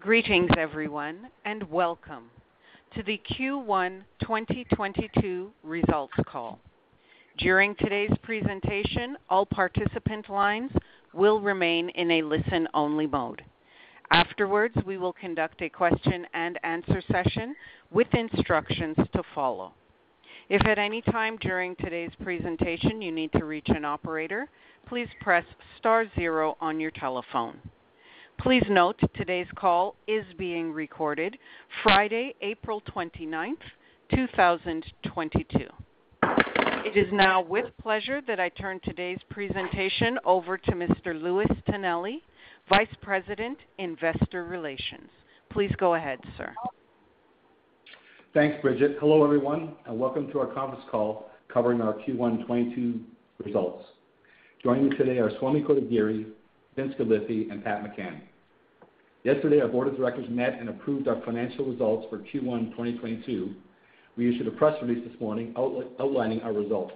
Greetings, everyone, and Welcome to the Q1 2022 Results Call. During today's presentation, all participant lines will remain in a listen-only mode. Afterwards, we will conduct a question and answer session with instructions to follow. If at any time during today's presentation you need to reach an operator, please press star zero on your telephone. Please note today's call is being recorded Friday, April 29, 2022. It is now with pleasure that I turn today's presentation over to Mr. Louis Tonelli, Vice President, Investor Relations. Please go ahead, sir. Thanks, Bridget. Hello, everyone, and welcome to our conference call covering our Q1 2022 results. Joining me today are Swamy Kotagiri, Vince Galifi, and Pat McCann. Yesterday, our board of directors met and approved our financial results for Q1 2022. We issued a press release this morning outlining our results.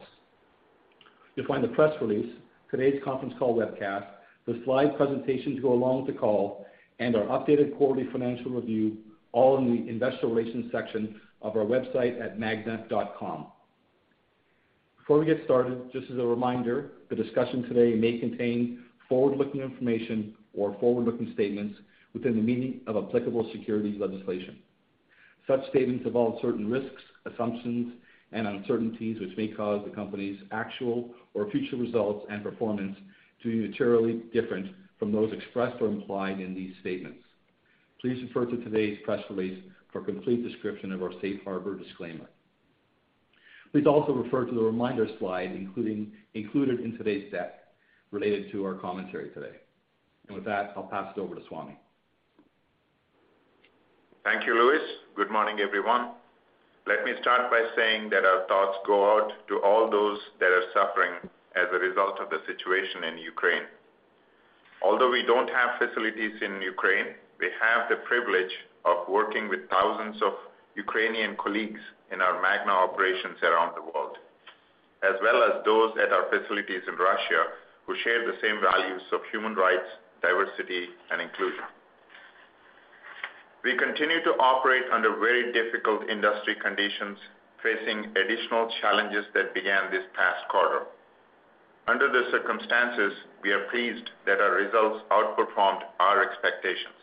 You'll find the press release, today's conference call webcast, the slide presentation to go along with the call, and our updated quarterly financial review all in the investor relations section of our website at magna.com. Before we get started, just as a reminder, the discussion today may contain forward-looking information or forward-looking statements within the meaning of applicable securities legislation. Such statements involve certain risks, assumptions, and uncertainties which may cause the company's actual or future results and performance to be materially different from those expressed or implied in these statements. Please refer to today's press release for a complete description of our safe harbor disclaimer. Please also refer to the reminder slide included in today's deck related to our commentary today. With that, I'll pass it over to Swamy. Thank you, Louis. Good morning, everyone. Let me start by saying that our thoughts go out to all those that are suffering as a result of the situation in Ukraine. Although we don't have facilities in Ukraine, we have the privilege of working with 1,000s of Ukrainian colleagues in our Magna operations around the world, as well as those at our facilities in Russia who share the same values of human rights, diversity, and inclusion. We continue to operate under very difficult industry conditions, facing additional challenges that began this past quarter. Under the circumstances, we are pleased that our results outperformed our expectations.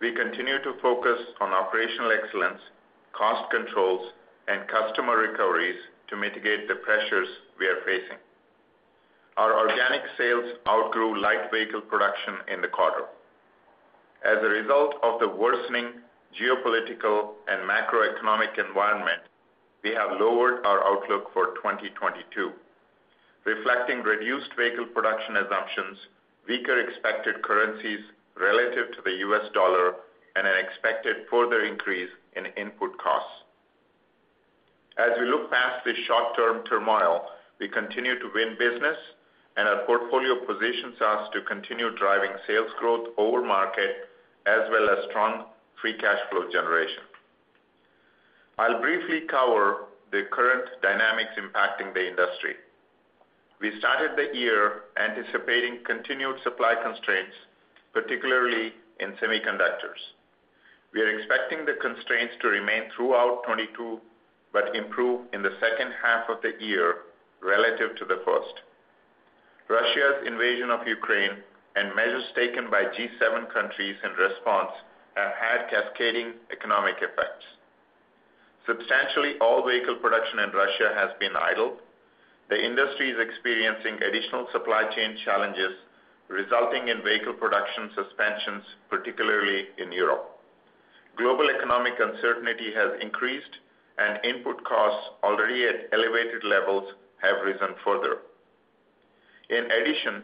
We continue to focus on operational excellence, cost controls, and customer recoveries to mitigate the pressures we are facing. Our organic sales outgrew light vehicle production in the quarter. As a result of the worsening geopolitical and macroeconomic environment, we have lowered our outlook for 2022, reflecting reduced vehicle production assumptions, weaker expected currencies relative to the US dollar, and an expected further increase in input costs. As we look past the short-term turmoil, we continue to win business and our portfolio positions us to continue driving sales growth over market as well as strong free cash flow generation. I'll briefly cover the current dynamics impacting the industry. We started the year anticipating continued supply constraints, particularly in semiconductors. We are expecting the constraints to remain throughout 2022, but improve in the second half of the year relative to the first. Russia's invasion of Ukraine and measures taken by G7 countries in response have had cascading economic effects. Substantially all vehicle production in Russia has been idle. The industry is experiencing additional supply chain challenges, resulting in vehicle production suspensions, particularly in Europe. Global economic uncertainty has increased and input costs already at elevated levels have risen further. In addition,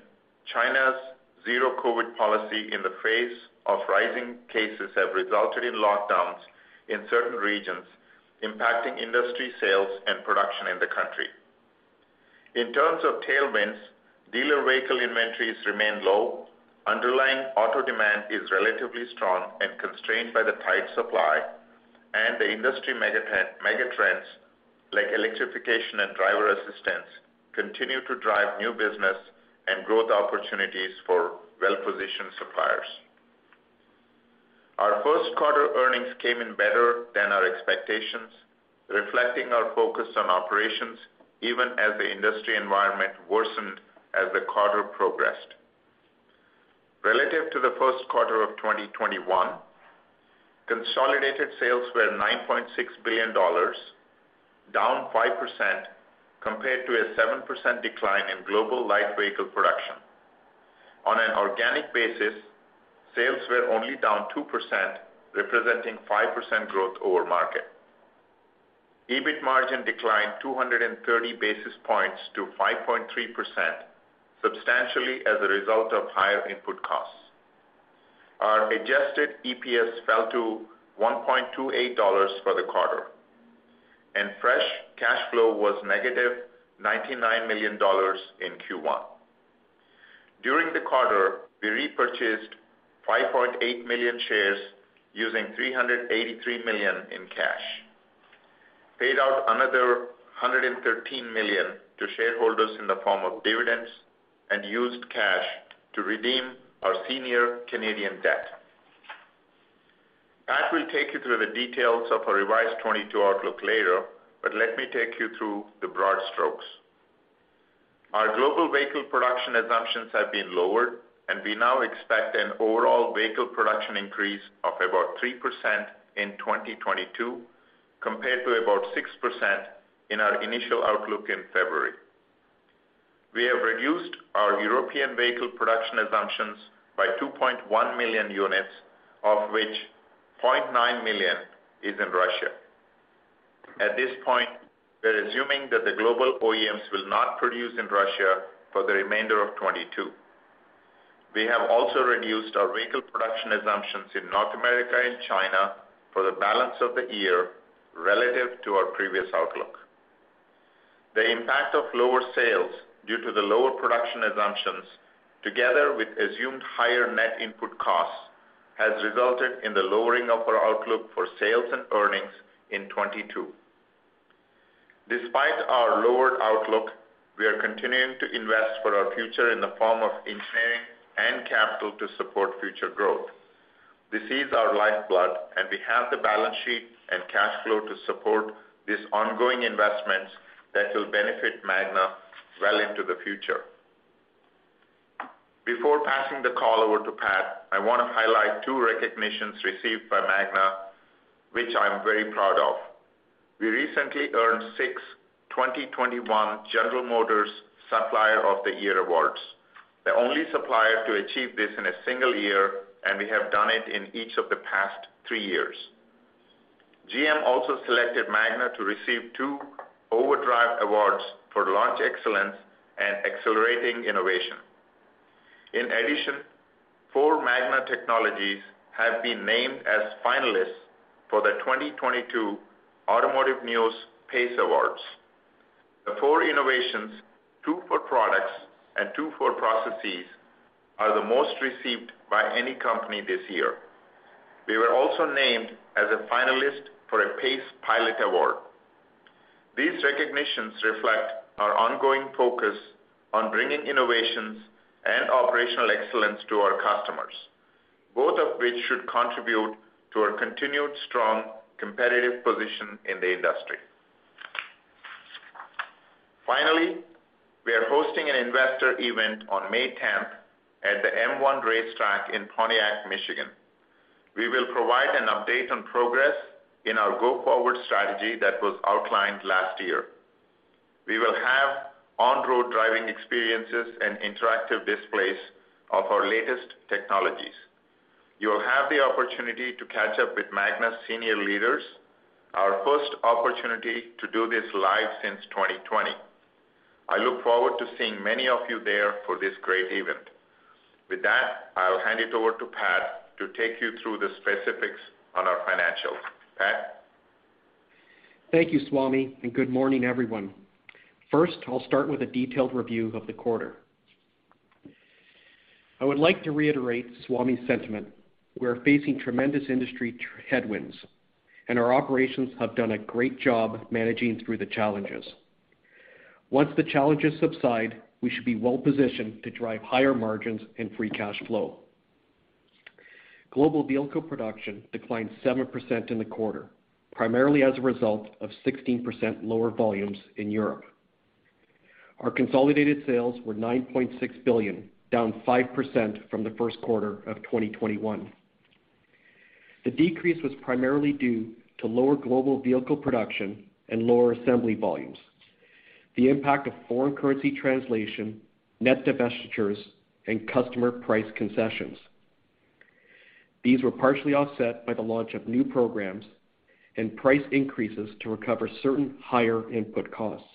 China's Zero-COVID policy in the face of rising cases have resulted in lockdowns in certain regions, impacting industry sales and production in the country. In terms of tailwinds, dealer vehicle inventories remain low, underlying auto demand is relatively strong and constrained by the tight supply, and the industry mega trends like electrification and driver assistance continue to drive new business and growth opportunities for well-positioned suppliers. Our first quarter earnings came in better than our expectations, reflecting our focus on operations even as the industry environment worsened as the quarter progressed. Relative to the first quarter of 2021, consolidated sales were $9.6 billion, down 5% compared to a 7% decline in global light vehicle production. On an organic basis, sales were only down 2%, representing 5% growth over market. EBIT margin declined 230 basis points to 5.3%, substantially as a result of higher input costs. Our adjusted EPS fell to $1.28 for the quarter, and free cash flow was -$99 million in Q1. During the quarter, we repurchased 5.8 million shares using $383 million in cash, paid out another $113 million to shareholders in the form of dividends, and used cash to redeem our senior Canadian debt. Pat will take you through the details of our revised 2022 outlook later, but let me take you through the broad strokes. Our global vehicle production assumptions have been lowered, and we now expect an overall vehicle production increase of about 3% in 2022 compared to about 6% in our initial outlook in February. We have reduced our European vehicle production assumptions by 2.1 million units, of which 0.9 million is in Russia. At this point, we're assuming that the global OEMs will not produce in Russia for the remainder of 2022. We have also reduced our vehicle production assumptions in North America and China for the balance of the year relative to our previous outlook. The impact of lower sales due to the lower production assumptions, together with assumed higher net input costs, has resulted in the lowering of our outlook for sales and earnings in 2022. Despite our lowered outlook, we are continuing to invest for our future in the form of engineering and capital to support future growth. This is our lifeblood, and we have the balance sheet and cash flow to support these ongoing investments that will benefit Magna well into the future. Before passing the call over to Pat, I wanna highlight two recognitions received by Magna, which I'm very proud of. We recently earned six 2021 General Motors Supplier of the Year awards, the only supplier to achieve this in a single year, and we have done it in each of the past three years. GM also selected Magna to receive two Overdrive Award for launch excellence and accelerating innovation. In addition, four Magna technologies have been named as finalists for the 2022 Automotive News PACE Awards. The four innovations, two for products and two for processes, are the most received by any company this year. We were also named as a finalist for a PACE Pilot Award. These recognitions reflect our ongoing focus on bringing innovations and operational excellence to our customers, both of which should contribute to our continued strong competitive position in the industry. Finally, we are hosting an investor event on May 10 at the M1 Concourse in Pontiac, Michigan. We will provide an update on progress in our go-forward strategy that was outlined last year. We will have on-road driving experiences and interactive displays of our latest technologies. You will have the opportunity to catch up with Magna's senior leaders, our first opportunity to do this live since 2020. I look forward to seeing many of you there for this great event. With that, I will hand it over to Pat to take you through the specifics on our financials. Pat? Thank you, Swamy, and good morning, everyone. First, I'll start with a detailed review of the quarter. I would like to reiterate Swamy's sentiment. We are facing tremendous industry headwinds, and our operations have done a great job managing through the challenges. Once the challenges subside, we should be well-positioned to drive higher margins and free cash flow. Global vehicle production declined 7% in the quarter, primarily as a result of 16% lower volumes in Europe. Our consolidated sales were $9.6 billion, down 5% from the first quarter of 2021. The decrease was primarily due to lower global vehicle production and lower assembly volumes, the impact of foreign currency translation, net divestitures, and customer price concessions. These were partially offset by the launch of new programs and price increases to recover certain higher input costs.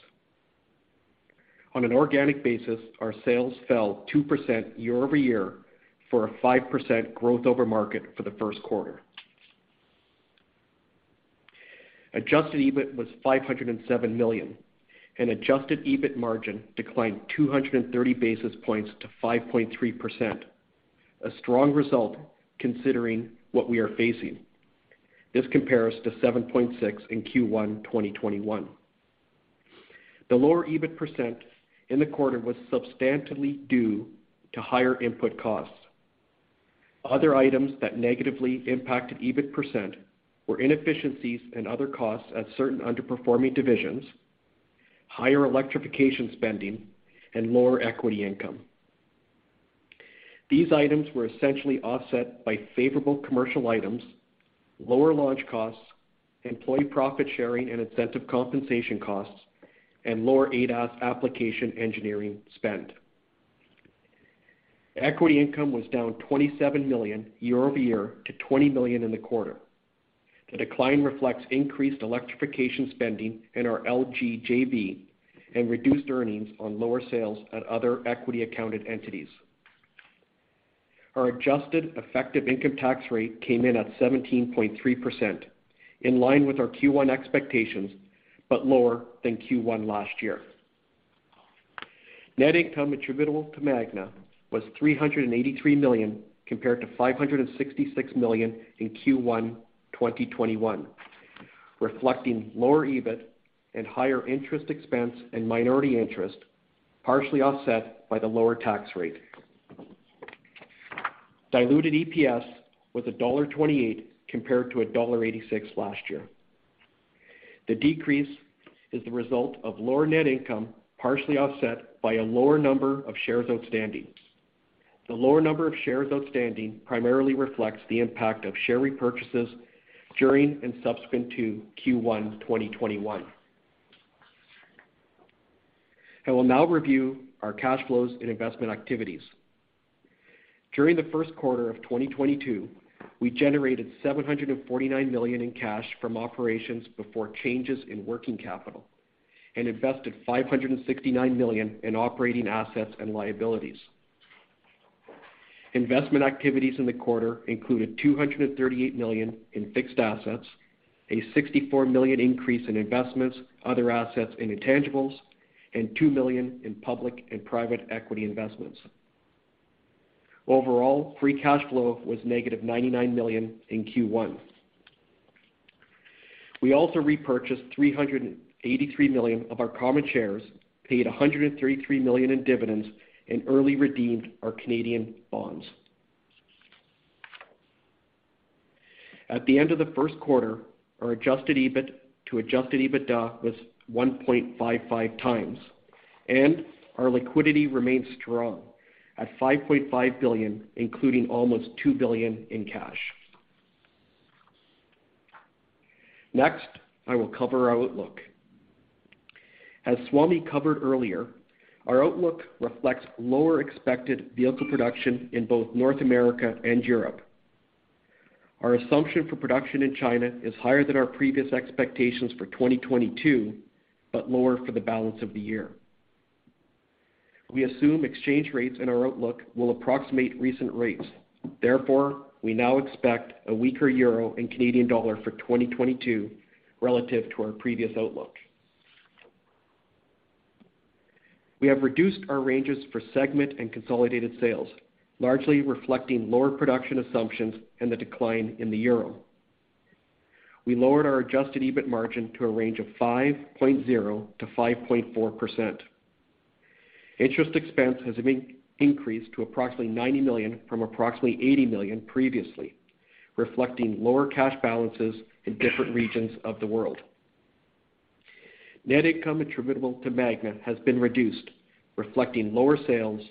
On an organic basis, our sales fell 2% year-over-year for a 5% growth over market for the first quarter. Adjusted EBIT was $507 million, and adjusted EBIT margin declined 230 basis points to 5.3%, a strong result considering what we are facing. This compares to 7.6% in Q1 2021. The lower EBIT % in the quarter was substantially due to higher input costs. Other items that negatively impacted EBIT % were inefficiencies and other costs at certain underperforming divisions, higher electrification spending, and lower equity income. These items were essentially offset by favorable commercial items, lower launch costs, employee profit sharing and incentive compensation costs, and lower ADAS application engineering spend. Equity income was down $27 million year-over-year to $20 million in the quarter. The decline reflects increased electrification spending in our LG JV and reduced earnings on lower sales at other equity accounted entities. Our adjusted effective income tax rate came in at 17.3%, in line with our Q1 expectations, but lower than Q1 last year. Net income attributable to Magna was $383 million, compared to $566 million in Q1 2021, reflecting lower EBIT and higher interest expense and minority interest, partially offset by the lower tax rate. Diluted EPS was $1.28 compared to $1.86 last year. The decrease is the result of lower net income, partially offset by a lower number of shares outstanding. The lower number of shares outstanding primarily reflects the impact of share repurchases during and subsequent to Q1 2021. I will now review our cash flows and investment activities. During the first quarter of 2022, we generated $749 million in cash from operations before changes in working capital and invested $569 million in operating assets and liabilities. Investment activities in the quarter included $238 million in fixed assets, a $64 million increase in investments, other assets, and intangibles, and $2 million in public and private equity investments. Overall, free cash flow was -$99 million in Q1. We also repurchased $383 million of our common shares, paid $133 million in dividends, and early redeemed our Canadian bonds. At the end of the first quarter, our adjusted EBIT to adjusted EBITDA was 1.55x, and our liquidity remains strong at $5.5 billion, including almost $2 billion in cash. Next, I will cover our outlook. As Swamy covered earlier, our outlook reflects lower expected vehicle production in both North America and Europe. Our assumption for production in China is higher than our previous expectations for 2022, but lower for the balance of the year. We assume exchange rates in our outlook will approximate recent rates. Therefore, we now expect a weaker euro and Canadian dollar for 2022 relative to our previous outlook. We have reduced our ranges for segment and consolidated sales, largely reflecting lower production assumptions and the decline in the euro. We lowered our adjusted EBIT margin to a range of 5.0%-5.4%. Interest expense has increased to approximately $90 million from approximately $80 million previously, reflecting lower cash balances in different regions of the world. Net income attributable to Magna has been reduced, reflecting lower sales,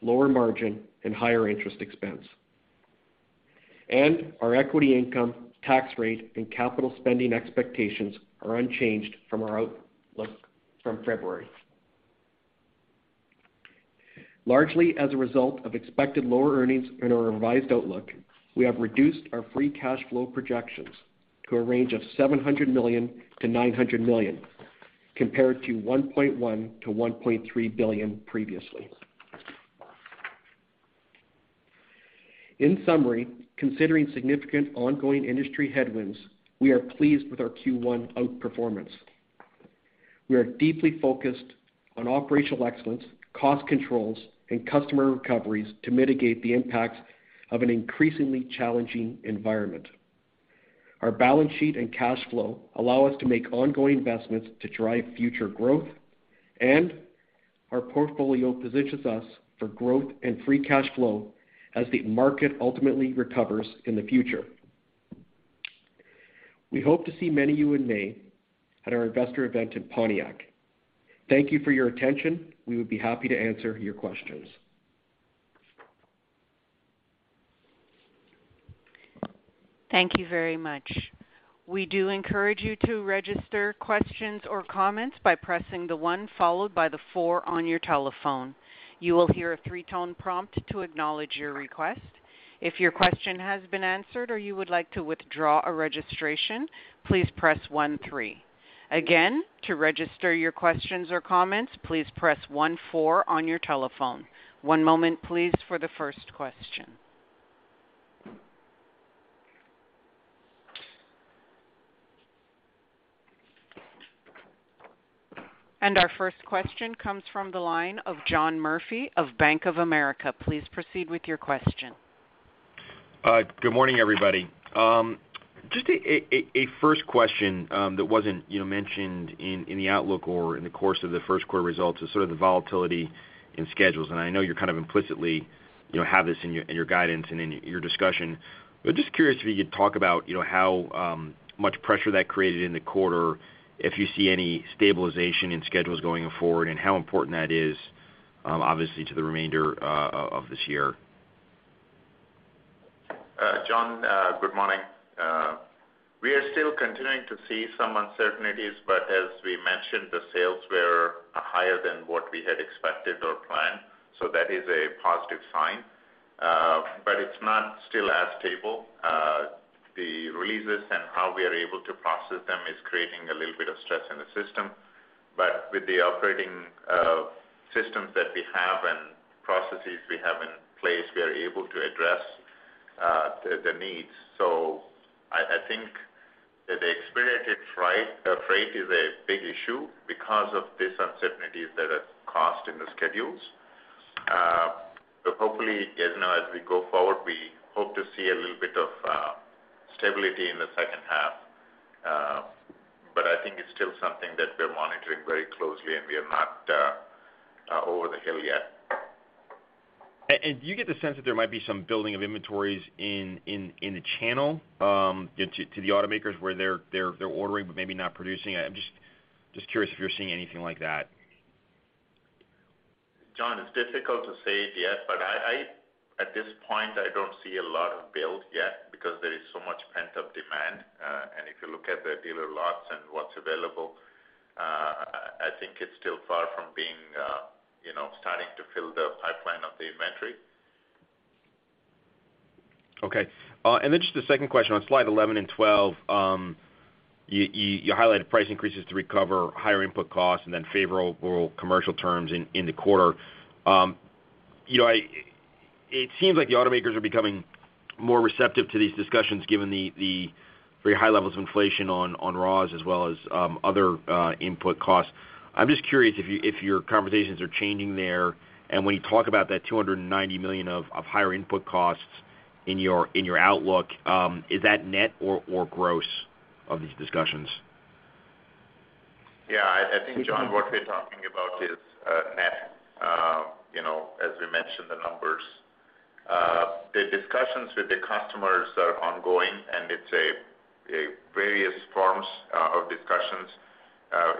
lower margin and higher interest expense. Our equity income tax rate and capital spending expectations are unchanged from our outlook from February. Largely as a result of expected lower earnings in our revised outlook, we have reduced our free cash flow projections to a range of $700 million-$900 million, compared to $1.1 billion-$1.3 billion previously. In summary, considering significant ongoing industry headwinds, we are pleased with our Q1 outperformance. We are deeply focused on operational excellence, cost controls and customer recoveries to mitigate the impacts of an increasingly challenging environment. Our balance sheet and cash flow allow us to make ongoing investments to drive future growth, and our portfolio positions us for growth and free cash flow as the market ultimately recovers in the future. We hope to see many of you in May at our investor event in Pontiac. Thank you for your attention. We would be happy to answer your questions. Thank you very much. We do encourage you to register questions or comments by pressing the one followed by the four on your telephone. You will hear a three-tone prompt to acknowledge your request. If your question has been answered or you would like to withdraw a registration, please press one three. Again, to register your questions or comments, please press one four on your telephone. One moment please for the first question. Our first question comes from the line of John Murphy of Bank of America. Please proceed with your question. Good morning, everybody. Just a first question that wasn't, you know, mentioned in the outlook or in the course of the first quarter results is sort of the volatility in schedules. I know you kind of implicitly, you know, have this in your guidance and in your discussion. Just curious if you could talk about, you know, how much pressure that created in the quarter, if you see any stabilization in schedules going forward, and how important that is, obviously to the remainder of this year. John, good morning. We are still continuing to see some uncertainties, but as we mentioned, the sales were higher than what we had expected or planned, so that is a positive sign. It's not still as stable. The releases and how we are able to process them is creating a little bit of stress in the system. With the operating systems that we have and processes we have in place, we are able to address the needs. I think that the expedited freight is a big issue because of these uncertainties that are caused in the schedules. Hopefully, as you know, as we go forward, we hope to see a little bit of stability in the second half. I think it's still something that we're monitoring very closely, and we are not over the hill yet. Do you get the sense that there might be some building of inventories in the channel to the automakers where they're ordering but maybe not producing? I'm just curious if you're seeing anything like that. John, it's difficult to say it yet, but at this point, I don't see a lot of build yet because there is so much pent-up demand. If you look at the dealer lots and what's available, I think it's still far from being, you know, starting to fill the pipeline of the inventory. Okay. Just a second question on slide 11 and 12. You highlighted price increases to recover higher input costs and then favorable commercial terms in the quarter. You know, it seems like the automakers are becoming more receptive to these discussions given the very high levels of inflation on raws as well as other input costs. I'm just curious if you, if your conversations are changing there. When you talk about that $290 million of higher input costs in your outlook, is that net or gross of these discussions? Yeah, I think, John, what we're talking about is net, you know, as we mentioned the numbers. The discussions with the customers are ongoing, and it's various forms of discussions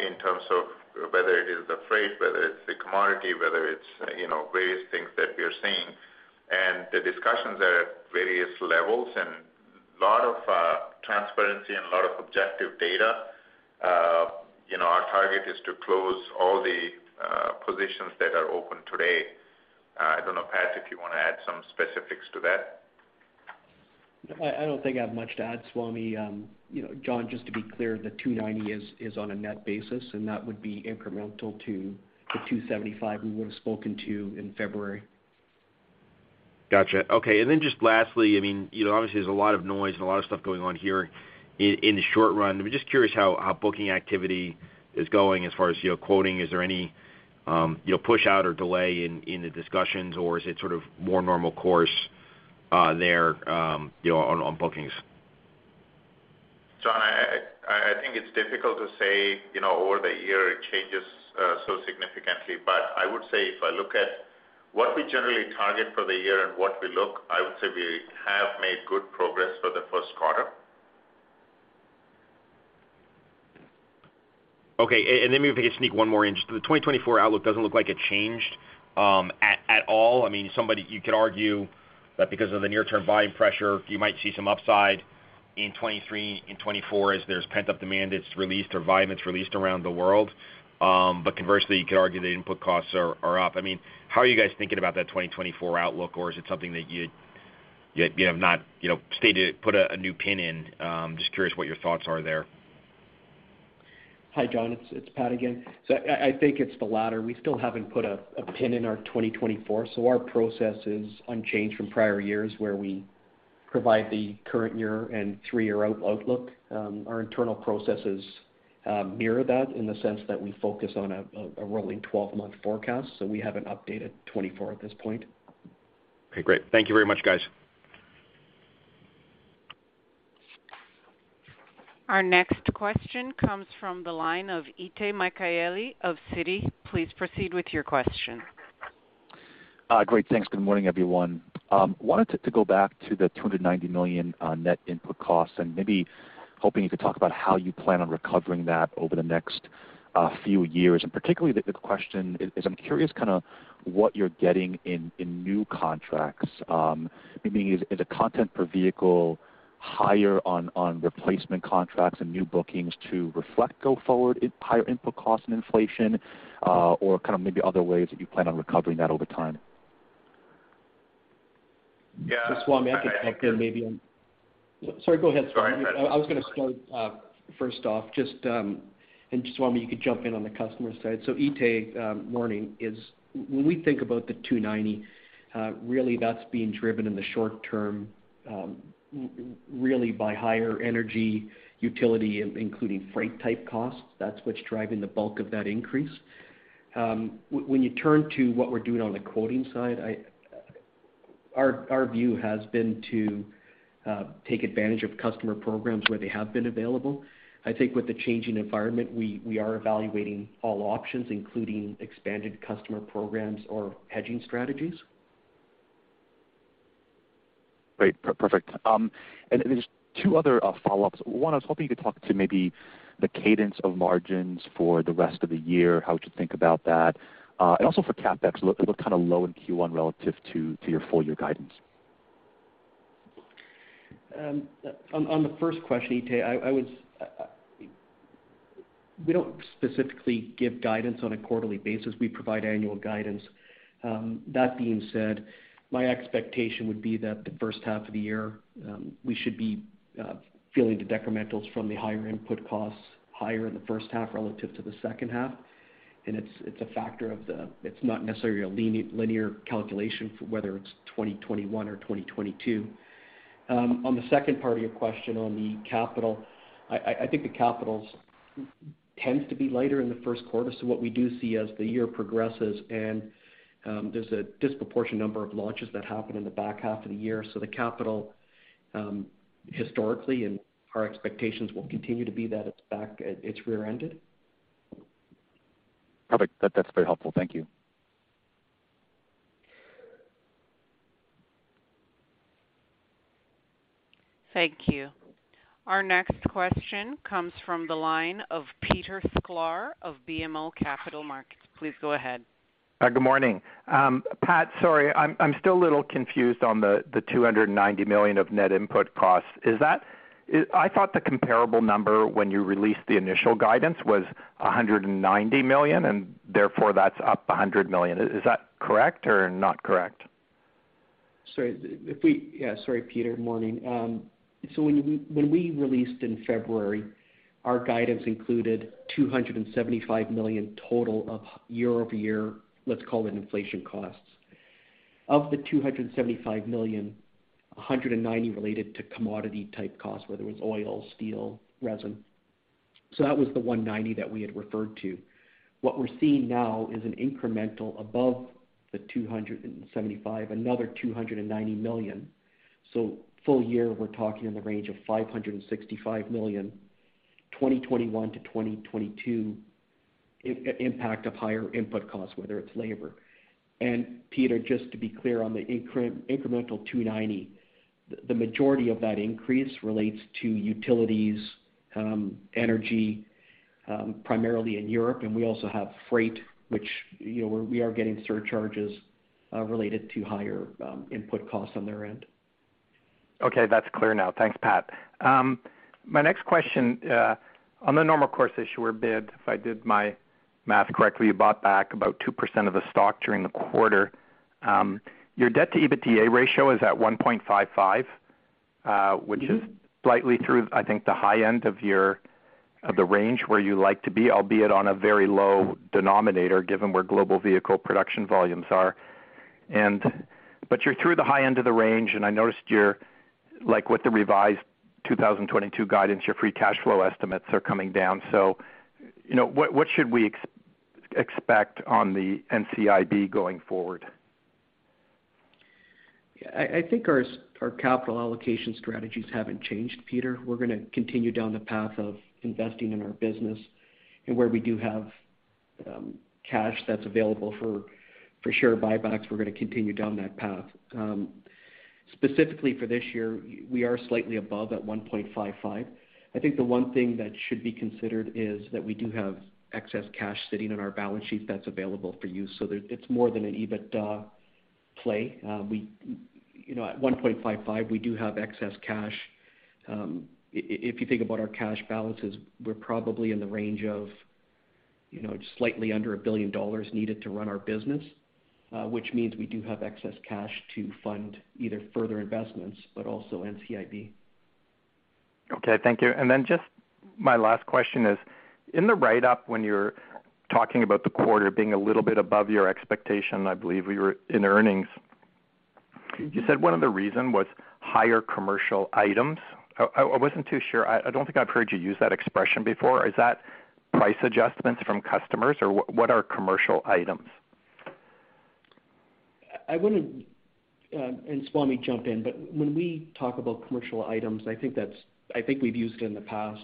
in terms of whether it is the freight, whether it's the commodity, whether it's, you know, various things that we are seeing. The discussions are at various levels and a lot of transparency and a lot of objective data. You know, our target is to close all the positions that are open today. I don't know, Pat, if you wanna add some specifics to that. I don't think I have much to add, Swamy. You know, John, just to be clear, the $290 is on a net basis, and that would be incremental to the $275 we would've spoken to in February. Gotcha. Okay. Just lastly, I mean, you know, obviously there's a lot of noise and a lot of stuff going on here in the short run. I'm just curious how booking activity is going as far as, you know, quoting. Is there any, you know, pushout or delay in the discussions, or is it sort of more normal course there, you know, on bookings? John, I think it's difficult to say, you know, over the year it changes. Say if I look at what we generally target for the year and what we look, I would say we have made good progress for the first quarter. Okay. Then maybe if I could sneak one more in. Just the 2024 outlook doesn't look like it changed at all. I mean, somebody you could argue that because of the near-term volume pressure, you might see some upside in 2023 and 2024 as there's pent-up demand that's released or volume that's released around the world. Conversely, you could argue the input costs are up. I mean, how are you guys thinking about that 2024 outlook, or is it something that you have not, you know, stated. Put a new pin in? Just curious what your thoughts are there. Hi, John. It's Pat again. I think it's the later. We still haven't put a pin in our 2024, so our process is unchanged from prior years, where we provide the current year and three-year outlook. Our internal processes mirror that in the sense that we focus on a rolling 12-month forecast, so we haven't updated 2024 at this point. Okay, great. Thank you very much, guys. Our next question comes from the line of Itay Michaeli of Citi. Please proceed with your question. Great. Thanks. Good morning, everyone. Wanted to go back to the $290 million net input costs, and maybe hoping you could talk about how you plan on recovering that over the next few years. Particularly the question is, I'm curious kinda what you're getting in new contracts. Maybe the content per vehicle higher on replacement contracts and new bookings to reflect go forward in higher input costs and inflation, or kind of maybe other ways that you plan on recovering that over time? Yeah. Swamy, sorry, go ahead. Sorry. I was gonna start first off just, and Swamy, you could jump in on the customer side. Itay, morning. When we think about the 2.90, really that's being driven in the short term, really by higher energy utility, including freight type costs. That's what's driving the bulk of that increase. When you turn to what we're doing on the quoting side, our view has been to take advantage of customer programs where they have been available. I think with the changing environment, we are evaluating all options, including expanded customer programs or hedging strategies. Great. Perfect. There's two other follow-ups. One, I was hoping you could talk to maybe the cadence of margins for the rest of the year, how we should think about that. Also for CapEx, it looked kind of low in Q1 relative to your full year guidance. On the first question, Itay, we don't specifically give guidance on a quarterly basis. We provide annual guidance. That being said, my expectation would be that the first half of the year, we should be feeling the decrementals from the higher input costs higher in the first half relative to the second half. It's a factor of the. It's not necessarily a linear calculation for whether it's 2021 or 2022. On the second part of your question on the CapEx, I think the CapEx tends to be lighter in the first quarter. What we do see as the year progresses and there's a disproportionate number of launches that happen in the back half of the year. The CapEx historically, and our expectations will continue to be that it's back-ended. Perfect. That's very helpful. Thank you. Thank you. Our next question comes from the line of Peter Sklar of BMO Capital Markets. Please go ahead. Good morning. Pat, sorry, I'm still a little confused on the $290 million of net input costs. I thought the comparable number when you released the initial guidance was $190 million, and therefore that's up $100 million. Is that correct or not correct? Sorry, Peter. Morning. When we released in February, our guidance included $275 million total year-over-year, let's call it, inflation costs. Of the $275 million, $190 million related to commodity-type costs, whether it was oil, steel, resin. That was the $190 million that we had referred to. What we're seeing now is an incremental above the $275 million, another $290 million. Full year, we're talking in the range of $565 million. 2021-2022 impact of higher input costs, whether it's labor. Peter, just to be clear on the incremental $290 million, the majority of that increase relates to utilities, energy, primarily in Europe, and we also have freight, which, you know, we are getting surcharges related to higher input costs on their end. Okay. That's clear now. Thanks, Pat. My next question on the normal course issuer bid, if I did my math correctly, you bought back about 2% of the stock during the quarter. Your debt to EBITDA ratio is at 1.55x, which is slightly through, I think, the high end of the range where you like to be, albeit on a very low denominator given where global vehicle production volumes are. But you're through the high end of the range, and I noticed, like, with the revised 2022 guidance, your free cash flow estimates are coming down. You know, what should we expect on the NCIB going forward? I think our capital allocation strategies haven't changed, Peter. We're gonna continue down the path of investing in our business and where we do have cash that's available for share buybacks, we're gonna continue down that path. Specifically for this year, we are slightly above at 1.55x. I think the one thing that should be considered is that we do have excess cash sitting on our balance sheet that's available for use. So it's more than an EBITDA play. You know, at 1.55x, we do have excess cash. If you think about our cash balances, we're probably in the range of just slightly under $1 billion needed to run our business, which means we do have excess cash to fund either further investments, but also NCIB. Okay, thank you. Just my last question is, in the write-up when you're talking about the quarter being a little bit above your expectation, I believe we were in earnings, you said one of the reason was higher commercial items. I wasn't too sure. I don't think I've heard you use that expression before. Is that price adjustments from customers, or what are commercial items? I wouldn't, and Swamy, jump in, but when we talk about commercial items, I think that's. I think we've used it in the past,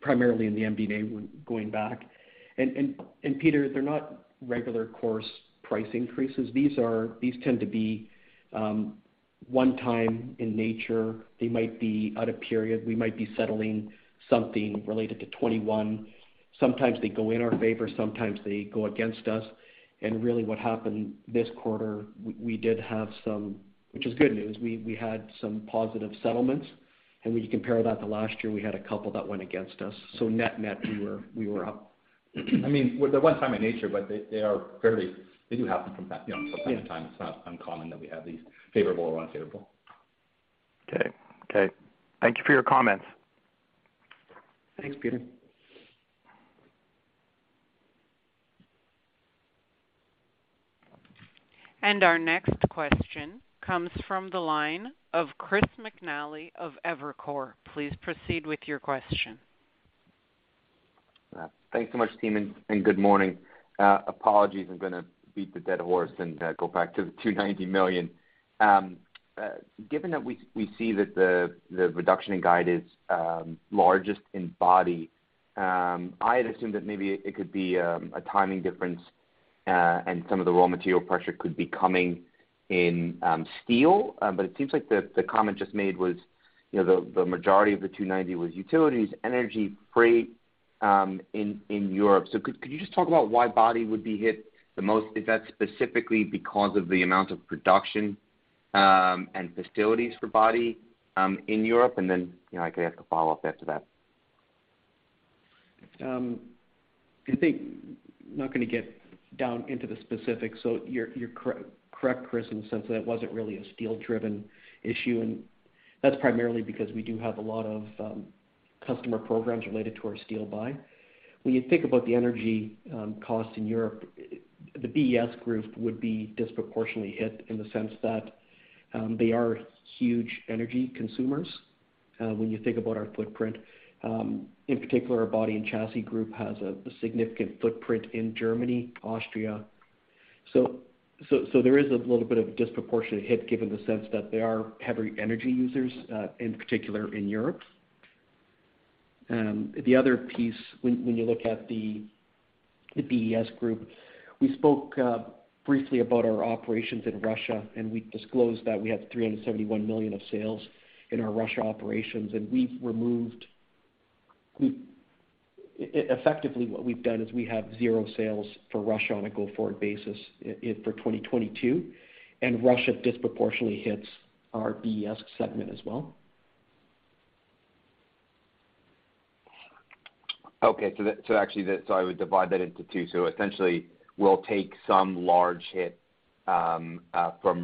primarily in the MD&A when going back. Peter, they're not regular course price increases. These tend to be one time in nature. They might be at a period. We might be settling something related to 2021. Sometimes they go in our favor, sometimes they go against us. Really, what happened this quarter, we did have some, which is good news. We had some positive settlements, and when you compare that to last year, we had a couple that went against us. Net-net, we were up. I mean, they're one time in nature, but they do happen from time, you know, from time to time. It's not uncommon that we have these favorable or unfavorable. Okay. Thank you for your comments. Thanks, Peter. Our next question comes from the line of Chris McNally of Evercore. Please proceed with your question. Yeah. Thanks so much, team, and good morning. Apologies, I'm gonna beat the dead horse and go back to the $290 million. Given that we see that the reduction in guide is largest in Body, I had assumed that maybe it could be a timing difference, and some of the raw material pressure could be coming in steel. But it seems like the comment just made was, you know, the majority of the $290 million was utilities, energy, freight in Europe. Could you just talk about why Body would be hit the most if that's specifically because of the amount of production, and facilities for Body in Europe? Then, you know, I could ask a follow-up after that. I think not gonna get down into the specifics, so you're correct, Chris, in the sense that it wasn't really a steel driven issue, and that's primarily because we do have a lot of customer programs related to our steel buy. When you think about the energy cost in Europe, the BES group would be disproportionately hit in the sense that they are huge energy consumers when you think about our footprint. In particular, our Body and Chassis group has a significant footprint in Germany, Austria. There is a little bit of disproportionate hit given the sense that they are heavy energy users in particular in Europe. The other piece when you look at the BES group, we spoke briefly about our operations in Russia, and we disclosed that we have $371 million of sales in our Russia operations, and we've removed. Effectively, what we've done is we have zero sales for Russia on a go-forward basis in 2022, and Russia disproportionately hits our BES segment as well. Actually, I would divide that into two. Essentially we'll take some large hit from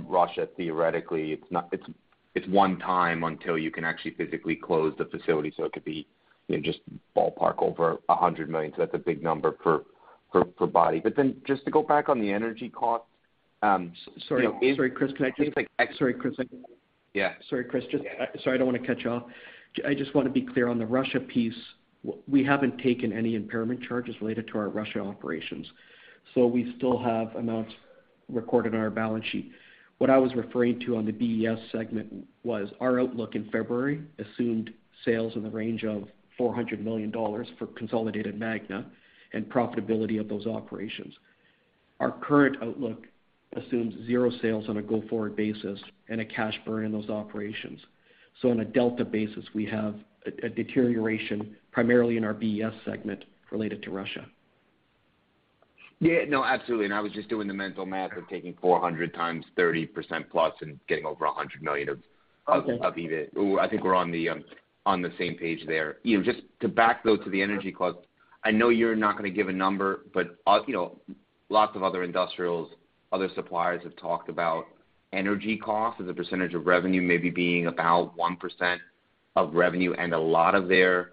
Russia theoretically. It's one time until you can actually physically close the facility, so it could be, you know, just ballpark over $100 million. That's a big number for Body. Just to go back on the energy cost, is- Sorry. Sorry, Chris. Just like ex- Sorry, Chris. Yeah. Sorry, Chris. Yeah. Sorry, I don't wanna cut you off. I just wanna be clear. On the Russia piece, we haven't taken any impairment charges related to our Russia operations, so we still have amounts recorded on our balance sheet. What I was referring to on the BES segment was our outlook in February assumed sales in the range of $400 million for consolidated Magna and profitability of those operations. Our current outlook assumes zero sales on a go-forward basis and a cash burn in those operations. On a delta basis, we have a deterioration primarily in our BES segment related to Russia. Yeah. No, absolutely. I was just doing the mental math of taking 400 times 30%+ and getting over $100 million of EBIT. Okay. I think we're on the same page there. You know, just to back though to the energy cost, I know you're not gonna give a number, but you know, lots of other industrials, other suppliers have talked about energy costs as a % of revenue maybe being about 1% of revenue and a lot of their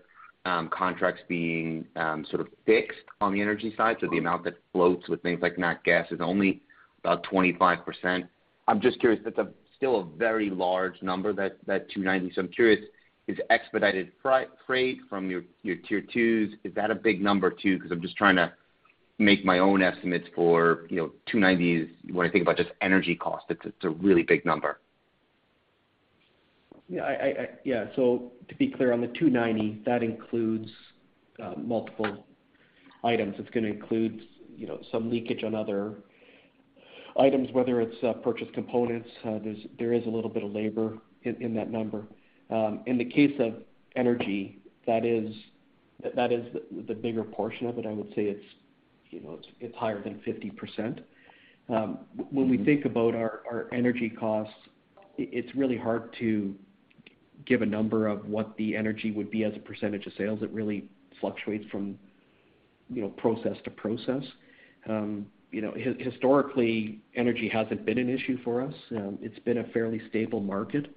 contracts being sort of fixed on the energy side. So the amount that floats with things like nat gas is only about 25%. I'm just curious, that's still a very large number, that $290 million. So I'm curious, is expedited freight from your tier twos, is that a big number too? 'Cause I'm just trying to make my own estimates for, you know, $290 million is when I think about just energy costs, it's a really big number. Yeah, so to be clear, on the $290 million, that includes multiple items. It's gonna include, you know, some leakage on other items, whether it's purchase components, there is a little bit of labor in that number. In the case of energy, that is the bigger portion of it. I would say it's, you know, it's higher than 50%. When we think about our energy costs, it's really hard to give a number of what the energy would be as a %age of sales. It really fluctuates from, you know, process to process. You know, historically, energy hasn't been an issue for us. It's been a fairly stable market.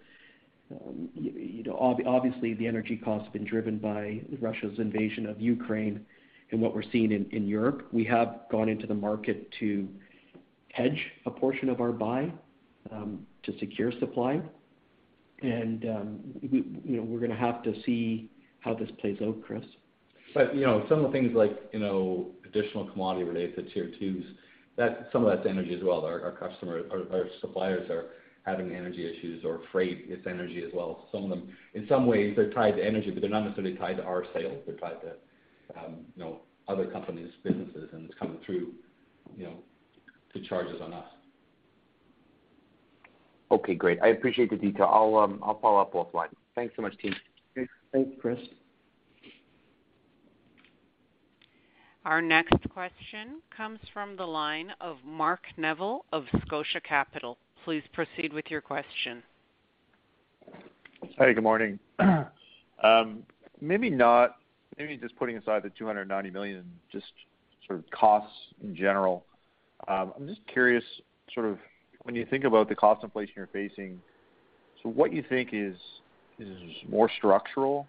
You know, obviously, the energy cost has been driven by Russia's invasion of Ukraine and what we're seeing in Europe. We have gone into the market to hedge a portion of our buy, to secure supply. You know, we're gonna have to see how this plays out, Chris. You know, some of the things like, you know, additional commodity-related tier twos, some of that's energy as well. Our suppliers are having energy issues or freight, it's energy as well. Some of them, in some ways, they're tied to energy, but they're not necessarily tied to our sales. They're tied to, you know, other companies, businesses, and it's coming through, you know, through charges on us. Okay, great. I appreciate the detail. I'll follow up offline. Thanks so much, team. Great. Thanks, Chris. Our next question comes from the line of Mark Neville of Scotia Capital. Please proceed with your question. Hey, good morning. Maybe not, maybe just putting aside the $290 million, just sort of costs in general. I'm just curious, sort of when you think about the cost inflation you're facing, so what you think is more structural,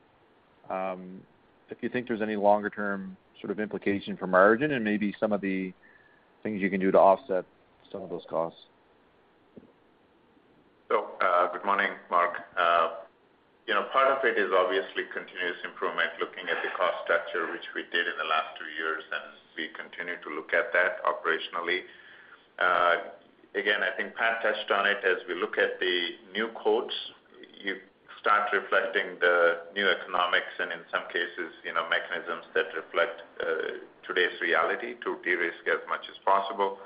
if you think there's any longer term sort of implication for margin and maybe some of the things you can do to offset some of those costs? Good morning, Mark. You know, part of it is obviously continuous improvement, looking at the cost structure, which we did in the last two years, and we continue to look at that operationally. Again, I think Pat touched on it. As we look at the new quotes, you start reflecting the new economics and in some cases, you know, mechanisms that reflect today's reality to de-risk as much as possible.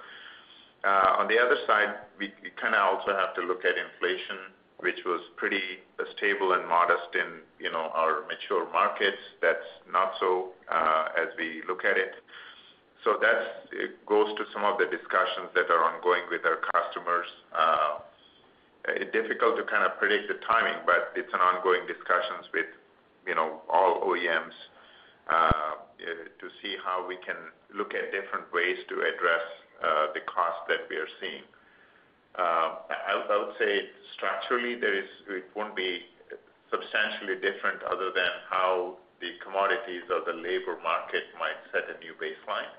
On the other side, we kind of also have to look at inflation, which was pretty stable and modest in, you know, our mature markets. That's not so as we look at it. That's, it goes to some of the discussions that are ongoing with our customers. Difficult to kind of predict the timing, but it's an ongoing discussions with, you know, all OEMs, to see how we can look at different ways to address the cost that we are seeing. I would say structurally there is it won't be substantially different other than how the commodities of the labor market might set a new baseline.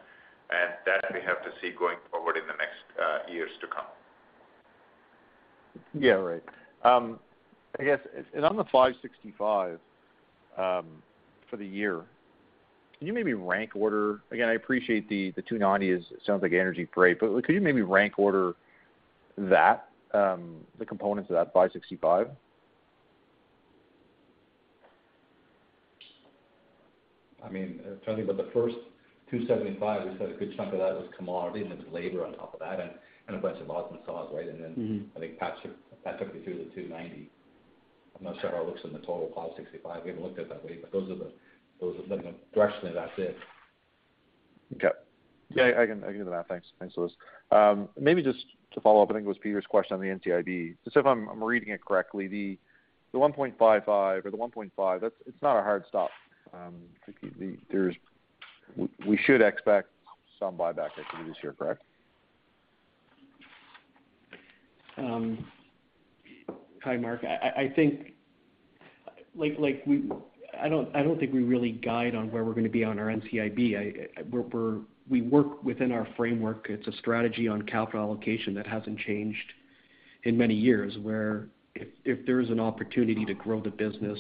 That we have to see going forward in the next years to come. Yeah. Right. I guess on the $565 for the year, can you maybe rank order? Again, I appreciate the $290 sounds like NRE freight. Could you maybe rank order that, the components of that $565? I mean, if you think about the first $275, we said a good chunk of that was commodity, and there's labor on top of that and a bunch of odds and ends, right? Mm-hmm. I think Pat took you through the $290. I'm not sure how it looks in the total $565. We haven't looked at it that way, but those are, you know, directionally that's it. Okay. Yeah, I can do the math. Thanks. Thanks, Louis. Maybe just to follow up, I think it was Peter's question on the NCIB. Just if I'm reading it correctly, the $1.55 or the $1.5, it's not a hard stop. We should expect some buyback activity this year, correct? Hi, Mark. I don't think we really guide on where we're gonna be on our NCIB. We work within our framework. It's a strategy on capital allocation that hasn't changed in many years, where if there's an opportunity to grow the business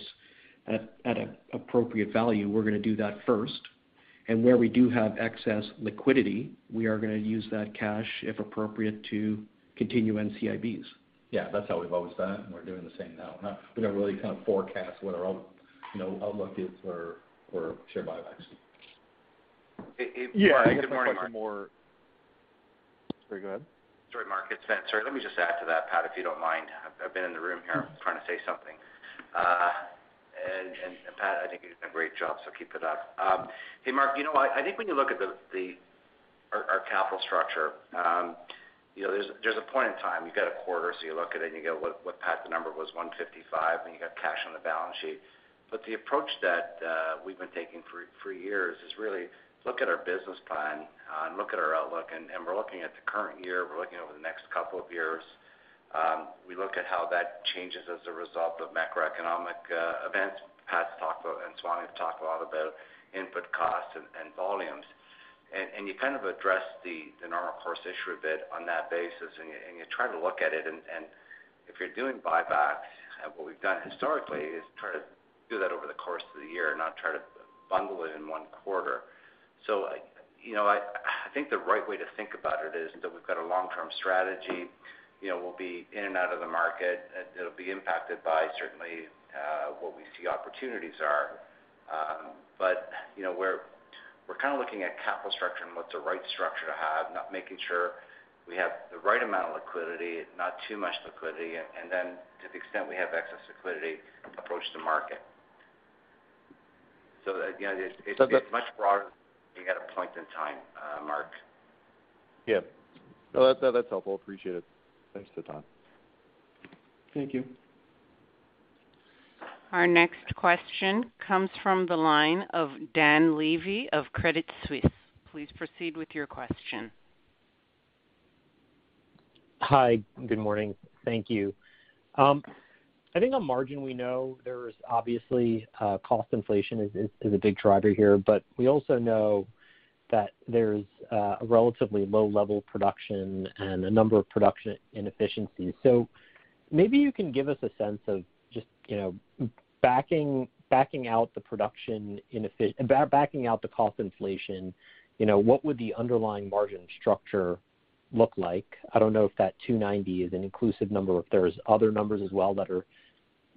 at a appropriate value, we're gonna do that first. Where we do have excess liquidity, we are gonna use that cash, if appropriate, to continue NCIBs. Yeah. That's how we've always done it, and we're doing the same now. We don't really kind of forecast what our outlook is for share buybacks, you know. It Yeah, I guess one more. Good morning, Mark. Sorry, go ahead. Sorry, Mark, it's Vince. Let me just add to that, Pat, if you don't mind. I've been in the room here trying to say something. Pat, I think you're doing a great job, so keep it up. Hey, Mark, you know what? I think when you look at our capital structure, you know, there's a point in time, you've got a quarter, so you look at it and you go, "What Pat, the number was $155, and you got cash on the balance sheet." The approach that we've been taking for years is really look at our business plan, and look at our outlook, and we're looking at the current year, we're looking over the next couple of years. We look at how that changes as a result of macroeconomic events. Pat's talked about and Swamy have talked a lot about input costs and volumes. You kind of address the normal course issue a bit on that basis, and you try to look at it. If you're doing buybacks, and what we've done historically is try to do that over the course of the year, not try to bundle it in one quarter. I think the right way to think about it is that we've got a long-term strategy. You know, we'll be in and out of the market, and it'll be impacted by certainly what we see opportunities are. You know, we're kind of looking at capital structure and what's the right structure to have, not making sure we have the right amount of liquidity, not too much liquidity, and then to the extent we have excess liquidity approach the market. You know, it's much broader than looking at a point in time, Mark. Yeah. No, that's helpful. Appreciate it. Thanks, Galifi. Thank you. Our next question comes from the line of Dan Levy of Credit Suisse. Please proceed with your question. Hi, good morning. Thank you. I think on margin we know there is obviously cost inflation is a big driver here, but we also know that there's a relatively low level of production and a number of production inefficiencies. Maybe you can give us a sense of just, you know, backing out the cost inflation, you know, what would the underlying margin structure look like? I don't know if that 2.90 is an inclusive number or if there's other numbers as well that are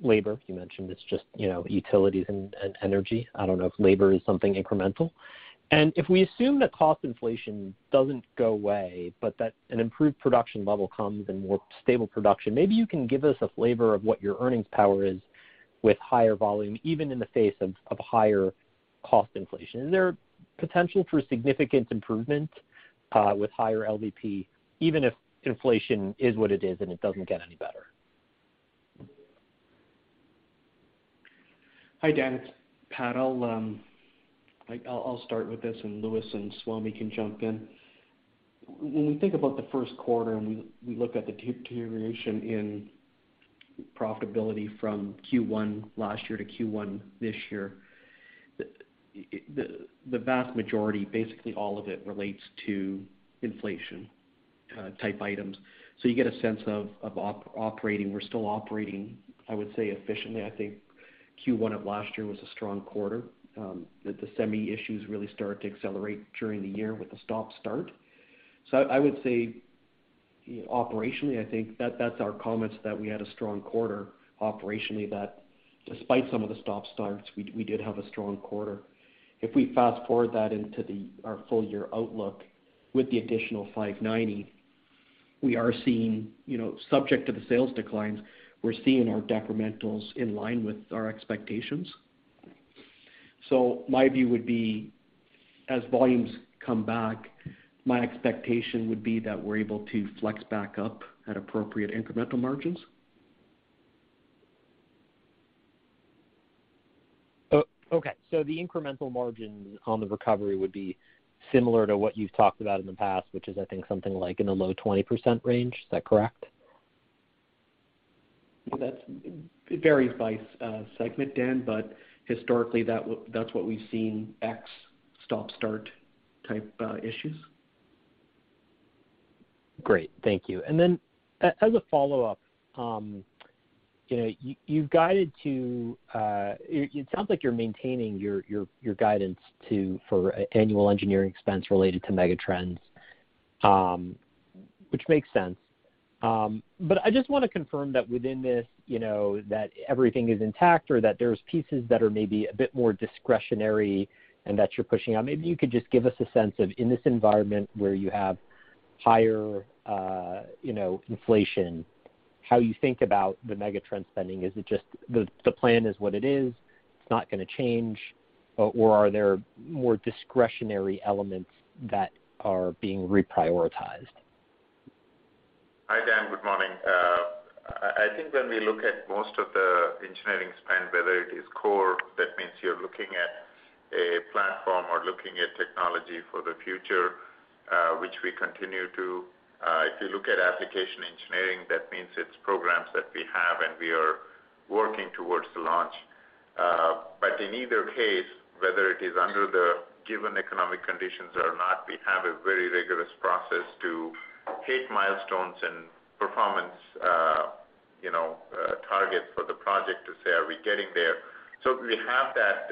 labor. You mentioned it's just, you know, utilities and energy. I don't know if labor is something incremental. If we assume that cost inflation doesn't go away, but that an improved production level comes and more stable production, maybe you can give us a flavor of what your earnings power is with higher volume, even in the face of of higher cost inflation. Is there potential for significant improvement with higher LVP, even if inflation is what it is and it doesn't get any better? Hi, Dan. It's Pat. I'll start with this and Louis and Swamy can jump in. When we think about the first quarter and we look at the deterioration in profitability from Q1 last year to Q1 this year, the vast majority, basically all of it relates to inflation type items. So you get a sense of operating. We're still operating, I would say, efficiently. I think Q1 of last year was a strong quarter, that the semi issues really started to accelerate during the year with the stop start. So I would say operationally, I think that's our comments that we had a strong quarter operationally, that despite some of the stop starts, we did have a strong quarter. If we fast-forward that into our full year outlook with the additional $590 million, we are seeing, you know, subject to the sales declines, we're seeing our detrimentals in line with our expectations. My view would be, as volumes come back, my expectation would be that we're able to flex back up at appropriate incremental margins. Okay. The incremental margin on the recovery would be similar to what you've talked about in the past, which is I think something like in the low 20% range. Is that correct? It varies by segment, Dan, but historically, that's what we've seen ex stop-start type issues. Great. Thank you. As a follow-up, you've guided to, it sounds like you're maintaining your guidance for annual engineering expense related to megatrends, which makes sense. I just want to confirm that within this, everything is intact or that there's pieces that are maybe a bit more discretionary and that you're pushing on. Maybe you could just give us a sense of in this environment where you have higher inflation, how you think about the megatrend spending. Is it just the plan is what it is, it's not going to change or are there more discretionary elements that are being reprioritized? Hi, Dan. Good morning. I think when we look at most of the engineering spend, whether it is core, that means you're looking at a platform or looking at technology for the future, which we continue to. If you look at application engineering, that means it's programs that we have and we are working towards the launch. In either case, whether it is under the given economic conditions or not, we have a very rigorous process to hit milestones and performance, you know, targets for the project to say, are we getting there? We have that,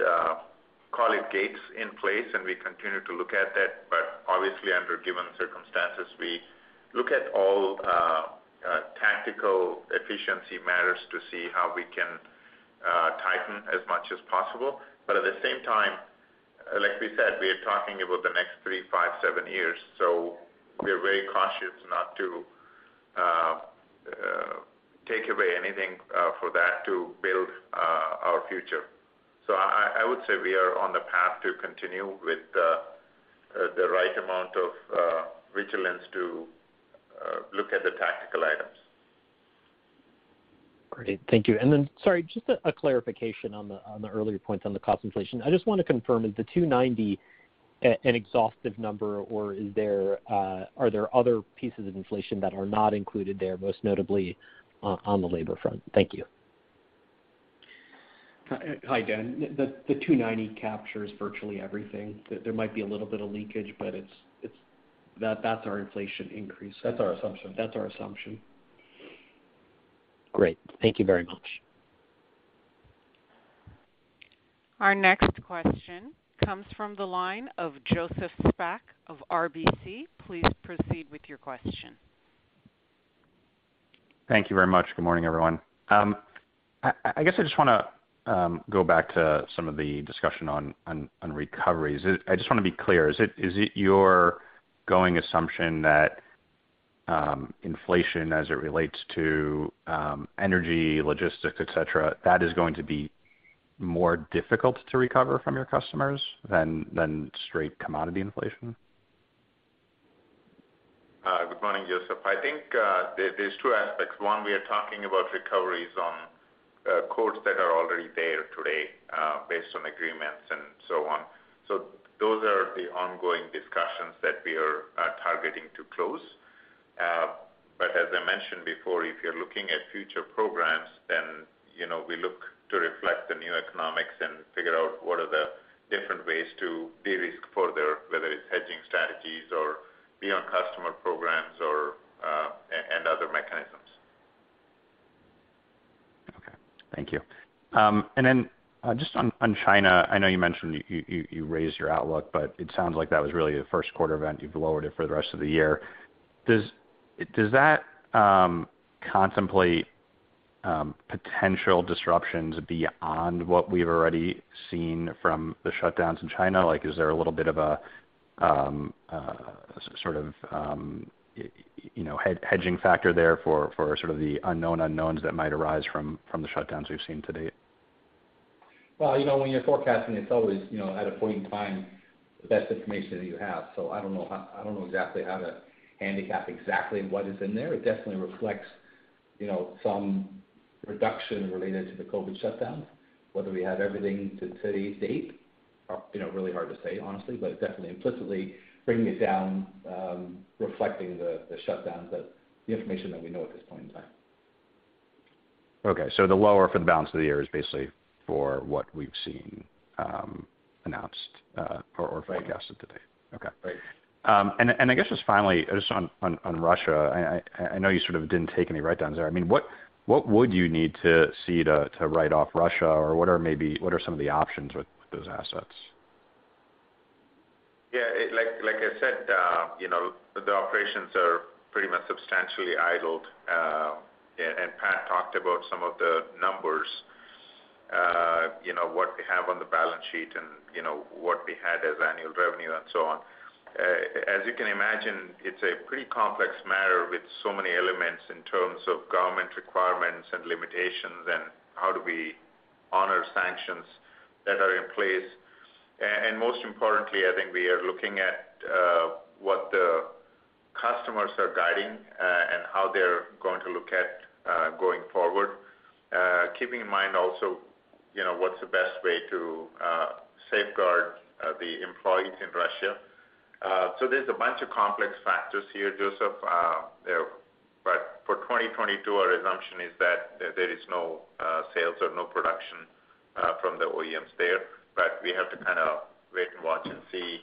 call it gates in place, and we continue to look at that. Obviously, under given circumstances, we look at all tactical efficiency matters to see how we can tighten as much as possible. At the same time, like we said, we are talking about the next three, five, seven years, so we are very cautious not to take away anything for that to build our future. I would say we are on the path to continue with the right amount of vigilance to look at the tactical items. Great. Thank you. Sorry, just a clarification on the earlier points on the cost inflation. I just want to confirm, is the $290 million an exhaustive number, or are there other pieces of inflation that are not included there, most notably on the labor front? Thank you. Hi, Dan. The $290 million captures virtually everything. There might be a little bit of leakage, but it's that's our inflation increase. That's our assumption. That's our assumption. Great. Thank you very much. Our next question comes from the line of Joseph Spak of RBC. Please proceed with your question. Thank you very much. Good morning, everyone. I guess I just wanna go back to some of the discussion on recoveries. I just wanna be clear, is it your ongoing assumption that inflation as it relates to energy, logistics, et cetera, that is going to be more difficult to recover from your customers than straight commodity inflation? Good morning, Joseph. I think, there's two aspects. One, we are talking about recoveries on quotes that are already there today, based on agreements and so on. Those are the ongoing discussions that we are targeting to close. As I mentioned before, if you're looking at future programs, then, you know, we look to reflect the new economics and figure out what are the different ways to de-risk further, whether it's hedging strategies or beyond customer programs or, and other mechanisms. Okay. Thank you. Just on China, I know you mentioned you raised your outlook, but it sounds like that was really a first quarter event. You've lowered it for the rest of the year. Does that contemplate potential disruptions beyond what we've already seen from the shutdowns in China? Like, is there a little bit of a sort of you know, hedging factor there for sort of the unknown unknowns that might arise from the shutdowns we've seen to date? Well, you know, when you're forecasting, it's always, you know, at a point in time, the best information that you have. I don't know exactly how to handicap exactly what is in there. It definitely reflects, you know, some reduction related to the COVID shutdowns. Whether we have everything to date, you know, really hard to say honestly, but definitely implicitly bringing it down, reflecting the shutdowns that the information that we know at this point in time. Okay. The lower for the balance of the year is basically for what we've seen, announced, or forecasted to date. Right. Okay. Right. I guess just finally, just on Russia, I know you sort of didn't take any write-downs there. I mean, what would you need to see to write off Russia? Or what are some of the options with those assets? Yeah, like I said, you know, the operations are pretty much substantially idled, and Pat talked about some of the numbers, you know, what we have on the balance sheet and, you know, what we had as annual revenue and so on. As you can imagine, it's a pretty complex matter with so many elements in terms of government requirements and limitations and how do we honor sanctions that are in place. Most importantly, I think we are looking at what the customers are guiding and how they're going to look at going forward, keeping in mind also, you know, what's the best way to safeguard the employees in Russia. There's a bunch of complex factors here, Joseph, there. For 2022, our assumption is that there is no sales or no production from the OEMs there. We have to kind of wait and watch and see,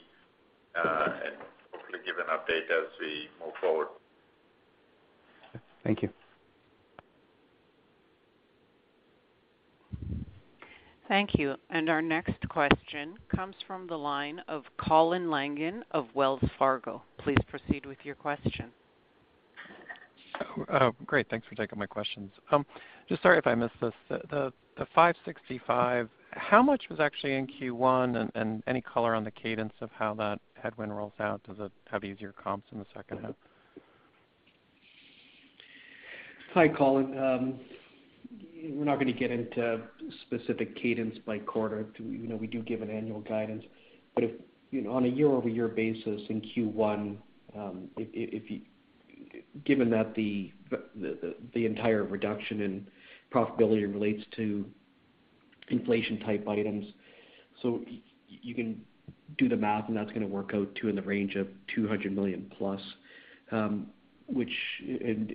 and hopefully give an update as we move forward. Thank you. Thank you. Our next question comes from the line of Colin Langan of Wells Fargo. Please proceed with your question. Oh, great. Thanks for taking my questions. Just sorry if I missed this. The $565, how much was actually in Q1 and any color on the cadence of how that headwind rolls out? Does it have easier comps in the second half? Hi, Colin. We're not gonna get into specific cadence by quarter. You know, we do give an annual guidance. If, you know, on a year-over-year basis in Q1, if you-- given that the entire reduction in profitability relates to inflation type items, so you can do the math, and that's gonna work out to in the range of $200 million+, which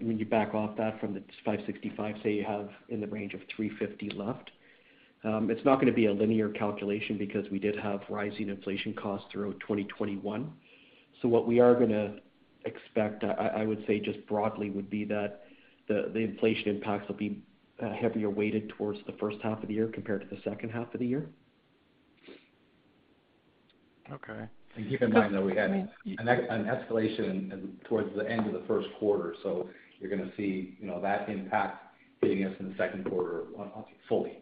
when you back off that from the $565, say you have in the range of $350 left. It's not gonna be a linear calculation because we did have rising inflation costs throughout 2021. What we are gonna expect, I would say just broadly would be that the inflation impacts will be, heavier weighted towards the first half of the year compared to the second half of the year. Okay. Keep in mind that we had an escalation towards the end of the first quarter. You're gonna see, you know, that impact hitting us in the second quarter on fully.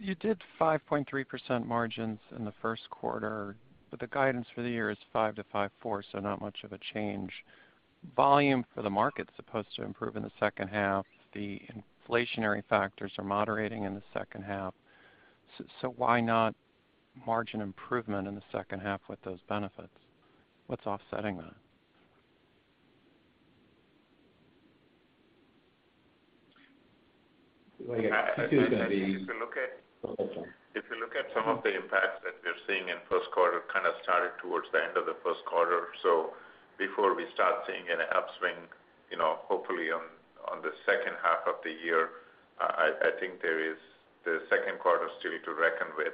You did 5.3% margins in the first quarter, but the guidance for the year is 5%-5.4%, so not much of a change. Volume for the market's supposed to improve in the second half. The inflationary factors are moderating in the second half. Why not margin improvement in the second half with those benefits? What's offsetting that? If you look at- Oh, go ahead. If you look at some of the impacts that we're seeing in first quarter kind of started towards the end of the first quarter. Before we start seeing an upswing, you know, hopefully on the second half of the year, I think there is the second quarter still to reckon with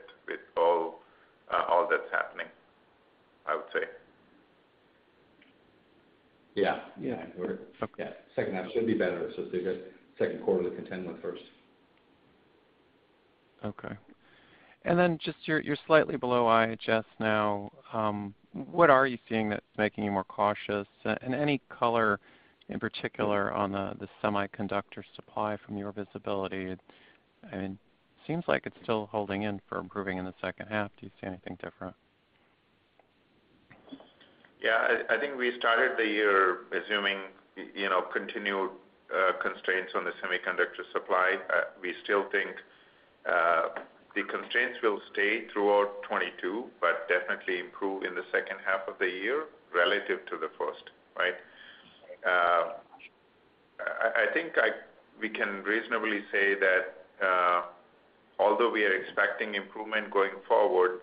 all that's happening, I would say. Yeah. Okay. Yeah. Second half should be better, so second quarter to contend with first. Okay. Just, you're slightly below IHS now. What are you seeing that's making you more cautious? Any color in particular on the semiconductor supply from your visibility? I mean, seems like it's still holding in for improving in the second half. Do you see anything different? Yeah. I think we started the year assuming, you know, continued constraints on the semiconductor supply. We still think the constraints will stay throughout 2022, but definitely improve in the second half of the year relative to the first, right? We can reasonably say that, although we are expecting improvement going forward,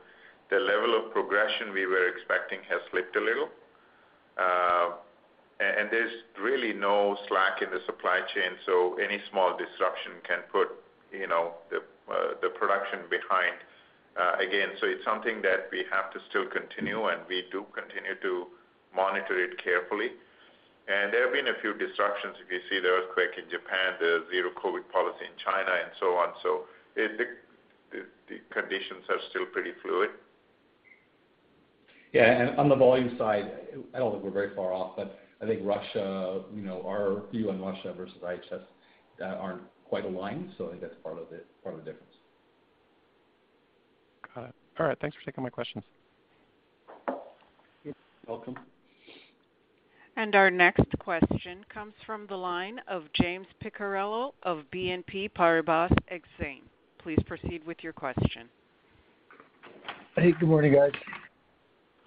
the level of progression we were expecting has slipped a little. There's really no slack in the supply chain, so any small disruption can put, you know, the production behind again. It's something that we have to still continue, and we do continue to monitor it carefully. There have been a few disruptions, if you see the earthquake in Japan, the zero-COVID policy in China, and so on. The conditions are still pretty fluid. Yeah. On the volume side, I don't think we're very far off, but I think Russia, you know, our view on Russia vs IHS aren't quite aligned, so I think that's part of the difference. Got it. All right. Thanks for taking my questions. You're welcome. Our next question comes from the line of James Picariello of BNP Paribas Exane. Please proceed with your question. Hey, good morning, guys.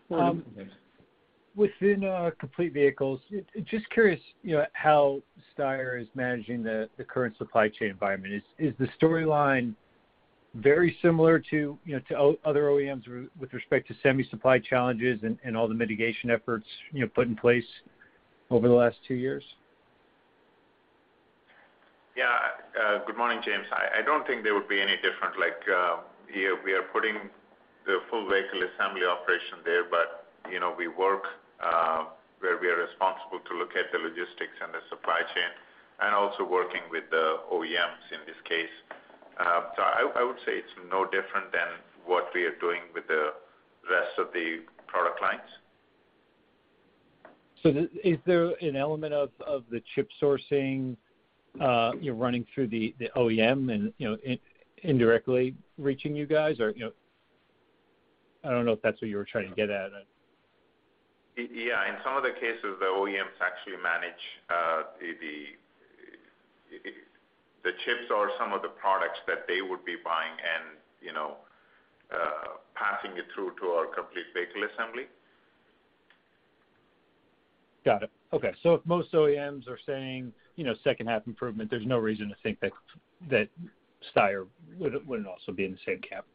Morning, James. Within complete vehicles, just curious, you know, how Steyr is managing the current supply chain environment. Is the storyline very similar to, you know, to other OEMs with respect to semi supply challenges and all the mitigation efforts, you know, put in place over the last two years? Yeah. Good morning, James. I don't think they would be any different. Like, we are putting the full vehicle assembly operation there, but, you know, we work where we are responsible to look at the logistics and the supply chain, and also working with the OEMs in this case. So I would say it's no different than what we are doing with the rest of the product lines. Is there an element of the chip sourcing you're running through the OEM and, you know, indirectly reaching you guys? Or, you know, I don't know if that's what you were trying to get at. In some of the cases, the OEMs actually manage the chips or some of the products that they would be buying and, you know, passing it through to our complete vehicle assembly. Got it. Okay. If most OEMs are saying, you know, second half improvement, there's no reason to think that Steyr wouldn't also be in the same camp.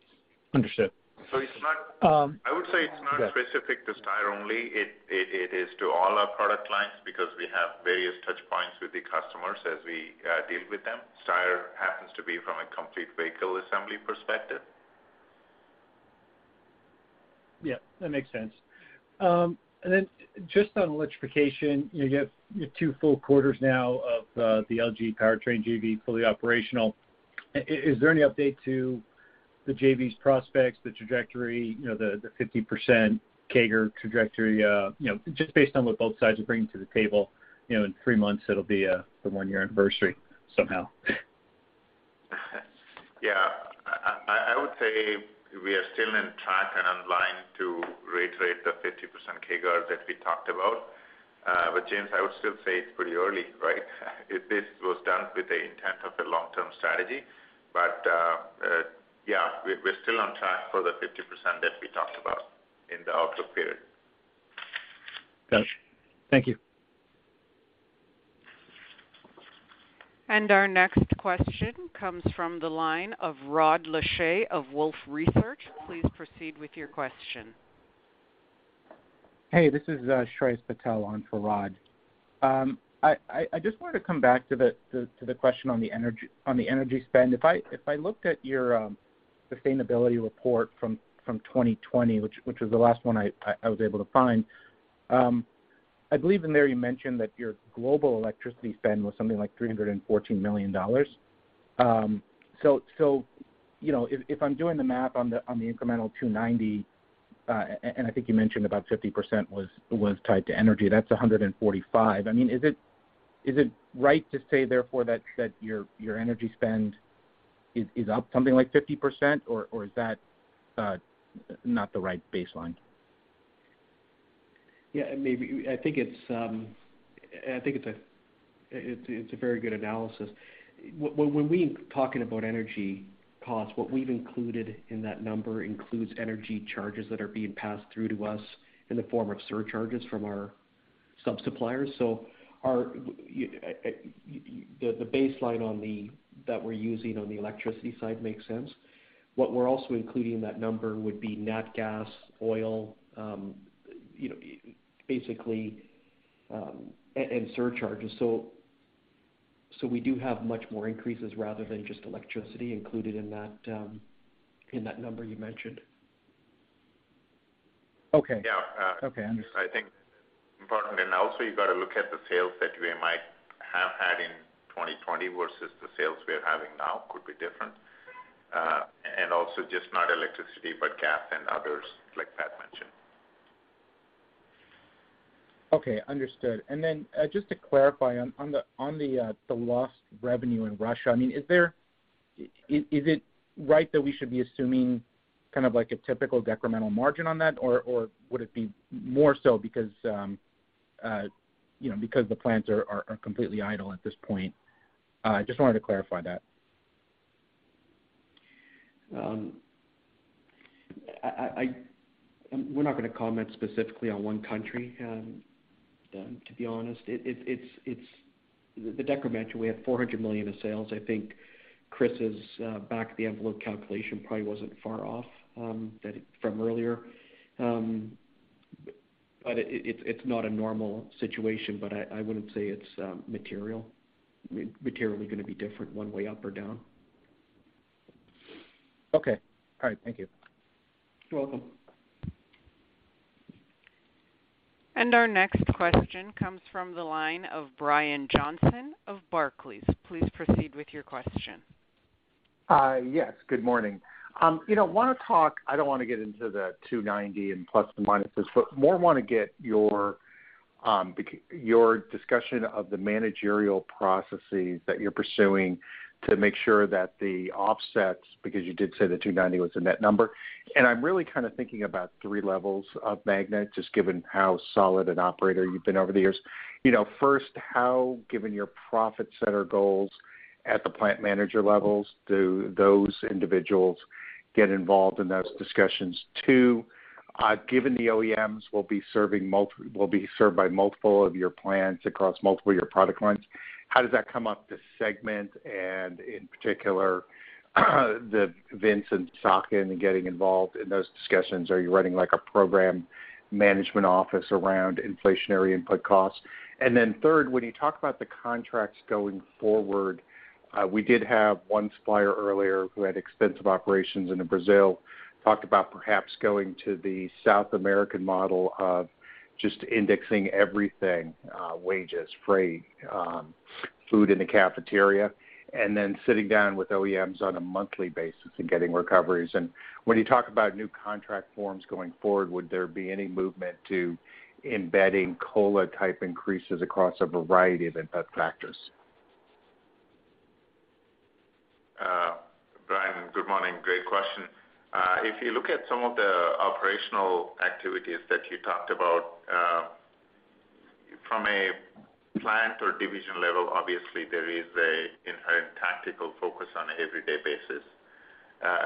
Understood. So it's not- Yeah. I would say it's not specific to Steyr only. It is to all our product lines because we have various touch points with the customers as we deal with them. Steyr happens to be from a complete vehicle assembly perspective. Yeah, that makes sense. Just on electrification, you have your two full quarters now of the LG Magna e-Powertrain JV fully operational. Is there any update to the JV's prospects, the trajectory, you know, the 50% CAGR trajectory? You know, just based on what both sides are bringing to the table, you know, in three months it'll be the one-year anniversary somehow. Yeah. I would say we are still on track and on line to reiterate the 50% CAGR that we talked about. James, I would still say it's pretty early, right? This was done with the intent of the long-term strategy. Yeah, we're still on track for the 50% that we talked about in the outlook period. Gotcha. Thank you. Our next question comes from the line of Rod Lache of Wolfe Research. Please proceed with your question. Hey, this is Shreyas Patil on for Rod. I just wanted to come back to the question on the energy spend. If I looked at your sustainability report from 2020, which was the last one I was able to find, I believe in there you mentioned that your global electricity spend was something like $314 million. So, you know, if I'm doing the math on the incremental $290 million, and I think you mentioned about 50% was tied to energy, that's $145 million. I mean, is it right to say therefore that your energy spend is up something like 50%, or is that not the right baseline? Yeah. Maybe. I think it's a very good analysis. When we're talking about energy costs, what we've included in that number includes energy charges that are being passed through to us in the form of surcharges from our Subsuppliers. The baseline that we're using on the electricity side makes sense. What we're also including in that number would be nat gas, oil, you know, basically, and surcharges. We do have much more increases rather than just electricity included in that number you mentioned. Okay. Yeah. Okay, understood. I think important. Also you've got to look at the sales that we might have had in 2020 vs the sales we're having now could be different. Also just not electricity, but gas and others like Pat mentioned. Okay, understood. Just to clarify on the lost revenue in Russia, I mean, is it right that we should be assuming kind of like a typical decremental margin on that? Or would it be more so because the plants are completely idle at this point? Just wanted to clarify that. We're not gonna comment specifically on one country, to be honest. It's the decremental. We had $400 million of sales. I think Chris' back of the envelope calculation probably wasn't far off, that from earlier. It's not a normal situation, but I wouldn't say it's materially gonna be different one way up or down. Okay. All right, thank you. You're welcome. Our next question comes from the line of Brian Johnson of Barclays. Please proceed with your question. Hi. Yes, good morning. You know, want to talk. I don't want to get into the $290 million and pluses and minuses, but more want to get your discussion of the managerial processes that you're pursuing to make sure that the offsets, because you did say the $290 million was a net number. I'm really kind of thinking about three levels of Magna, just given how solid an operator you've been over the years. You know, first, how, given your profit center goals at the plant manager levels, do those individuals get involved in those discussions? Two, given the OEMs will be served by multiple of your plants across multiple of your product lines, how does that come up to segment and in particular, the Vince and Swamy getting involved in those discussions? Are you running like a program management office around inflationary input costs? Then, third, when you talk about the contracts going forward, we did have one supplier earlier who had extensive operations into Brazil, talked about perhaps going to the South American model of just indexing everything, wages, freight, food in the cafeteria, and then sitting down with OEMs on a monthly basis and getting recoveries. When you talk about new contract forms going forward, would there be any movement to embedding COLA type increases across a variety of input factors? Brian, good morning. Great question. If you look at some of the operational activities that you talked about, from a plant or division level, obviously there is an inherent tactical focus on an everyday basis,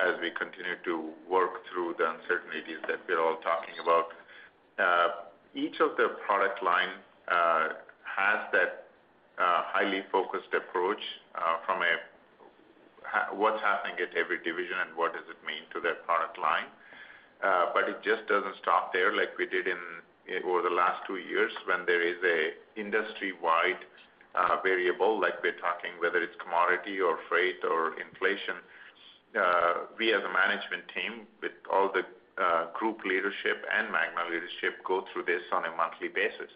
as we continue to work through the uncertainties that we're all talking about. Each of the product line has that highly focused approach, from what's happening at every division and what does it mean to that product line. It just doesn't stop there like we did, over the last two years when there is an industry-wide variable, like we're talking whether it's commodity or freight or inflation. We, as a management team with all the group leadership and Magna leadership, go through this on a monthly basis,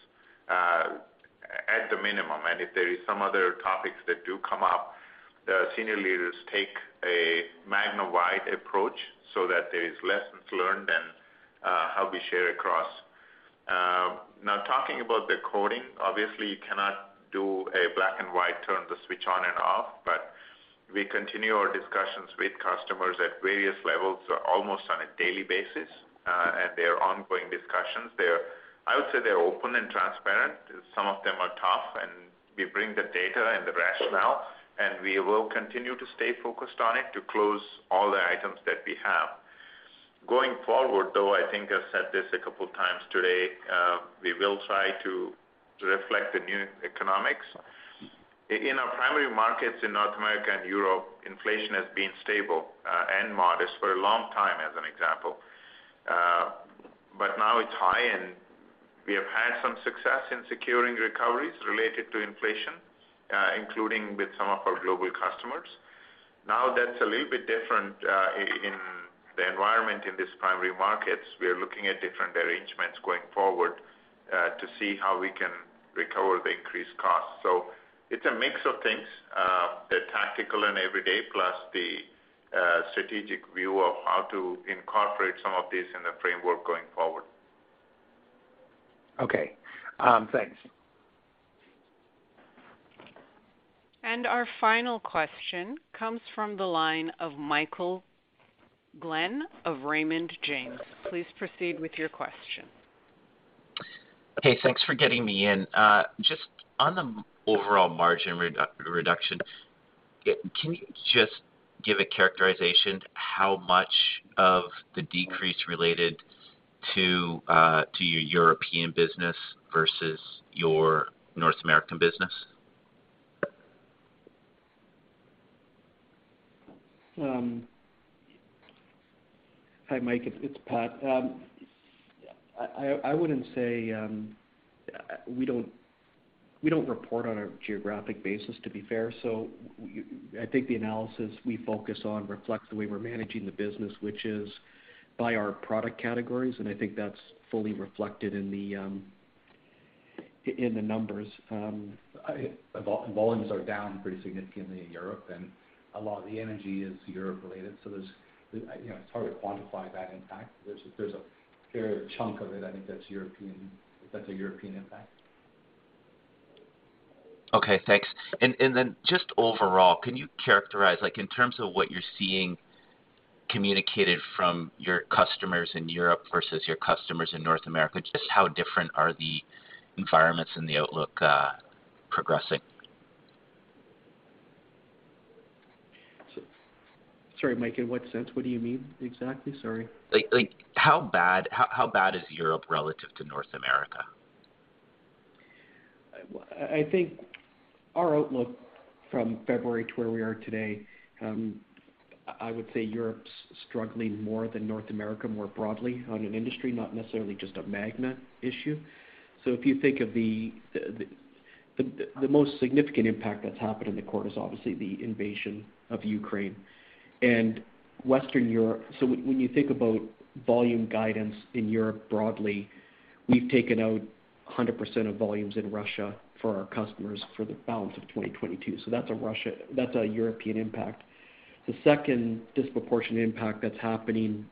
at the minimum. If there is some other topics that do come up, the senior leaders take a Magna-wide approach so that there is lessons learned and how we share across. Now talking about the coding, obviously you cannot do a black and white, turn the switch on and off, but we continue our discussions with customers at various levels almost on a daily basis, and they are ongoing discussions. I would say they're open and transparent. Some of them are tough, and we bring the data and the rationale, and we will continue to stay focused on it to close all the items that we have. Going forward, though, I think I've said this a couple of times today, we will try to reflect the new economics. In our primary markets in North America and Europe, inflation has been stable, and modest for a long time as an example. Now it's high, and we have had some success in securing recoveries related to inflation, including with some of our global customers. That's a little bit different, in the environment in these primary markets. We are looking at different arrangements going forward, to see how we can recover the increased costs. It's a mix of things, the tactical and everyday, plus the, strategic view of how to incorporate some of this in the framework going forward. Okay. Thanks. Our final question comes from the line of Michael Glen of Raymond James. Please proceed with your question. Okay, thanks for getting me in. Just on the overall margin reduction. Can you just give a characterization how much of the decrease related to your European business vs your North American business? Hi, Mike, it's Pat. I wouldn't say we don't report on a geographic basis, to be fair. I think the analysis we focus on reflects the way we're managing the business, which is by our product categories, and I think that's fully reflected in the numbers. Volumes are down pretty significantly in Europe, and a lot of the energy is Europe-related. There's, you know, it's hard to quantify that impact. There's a fair chunk of it I think that's European, that's a European impact. Okay, thanks. Just overall, can you characterize, like, in terms of what you're seeing communicated from your customers in Europe vs your customers in North America, just how different are the environments and the outlook progressing? Sorry, Mike, in what sense? What do you mean exactly? Sorry. Like how bad is Europe relative to North America? I think our outlook from February to where we are today, I would say Europe's struggling more than North America more broadly on an industry, not necessarily just a Magna issue. If you think of the most significant impact that's happened in the quarter is obviously the invasion of Ukraine. Western Europe. When you think about volume guidance in Europe broadly, we've taken out 100% of volumes in Russia for our customers for the balance of 2022, so that's a European impact. The second disproportionate impact that's happening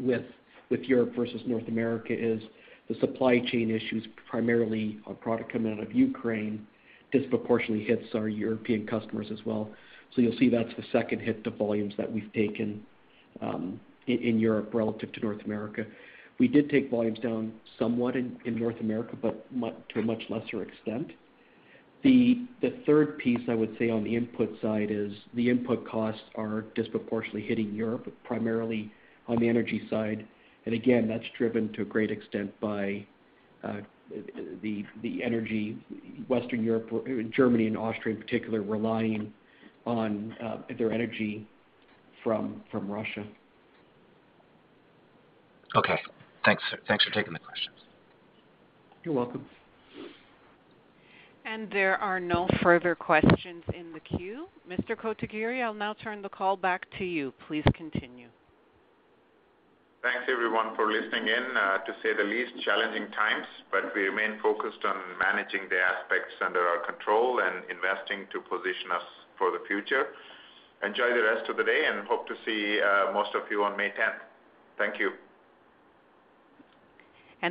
with Europe vs North America is the supply chain issues, primarily our product coming out of Ukraine, disproportionately hits our European customers as well. You'll see that's the second hit to volumes that we've taken in Europe relative to North America. We did take volumes down somewhat in North America, but to a much lesser extent. The third piece I would say on the input side is the input costs are disproportionately hitting Europe, primarily on the energy side. Again, that's driven to a great extent by Western Europe, Germany and Austria in particular, relying on their energy from Russia. Okay, thanks. Thanks for taking the questions. You're welcome. There are no further questions in the queue. Mr. Kotagiri, I'll now turn the call back to you. Please continue. Thanks everyone for listening in. To say the least, challenging times, but we remain focused on managing the aspects under our control and investing to position us for the future. Enjoy the rest of the day and hope to see most of you on May 10th. Thank you.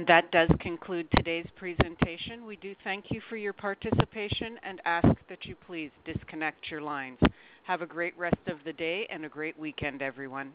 That does conclude today's presentation. We do thank you for your participation and ask that you please disconnect your lines. Have a great rest of the day and a great weekend, everyone.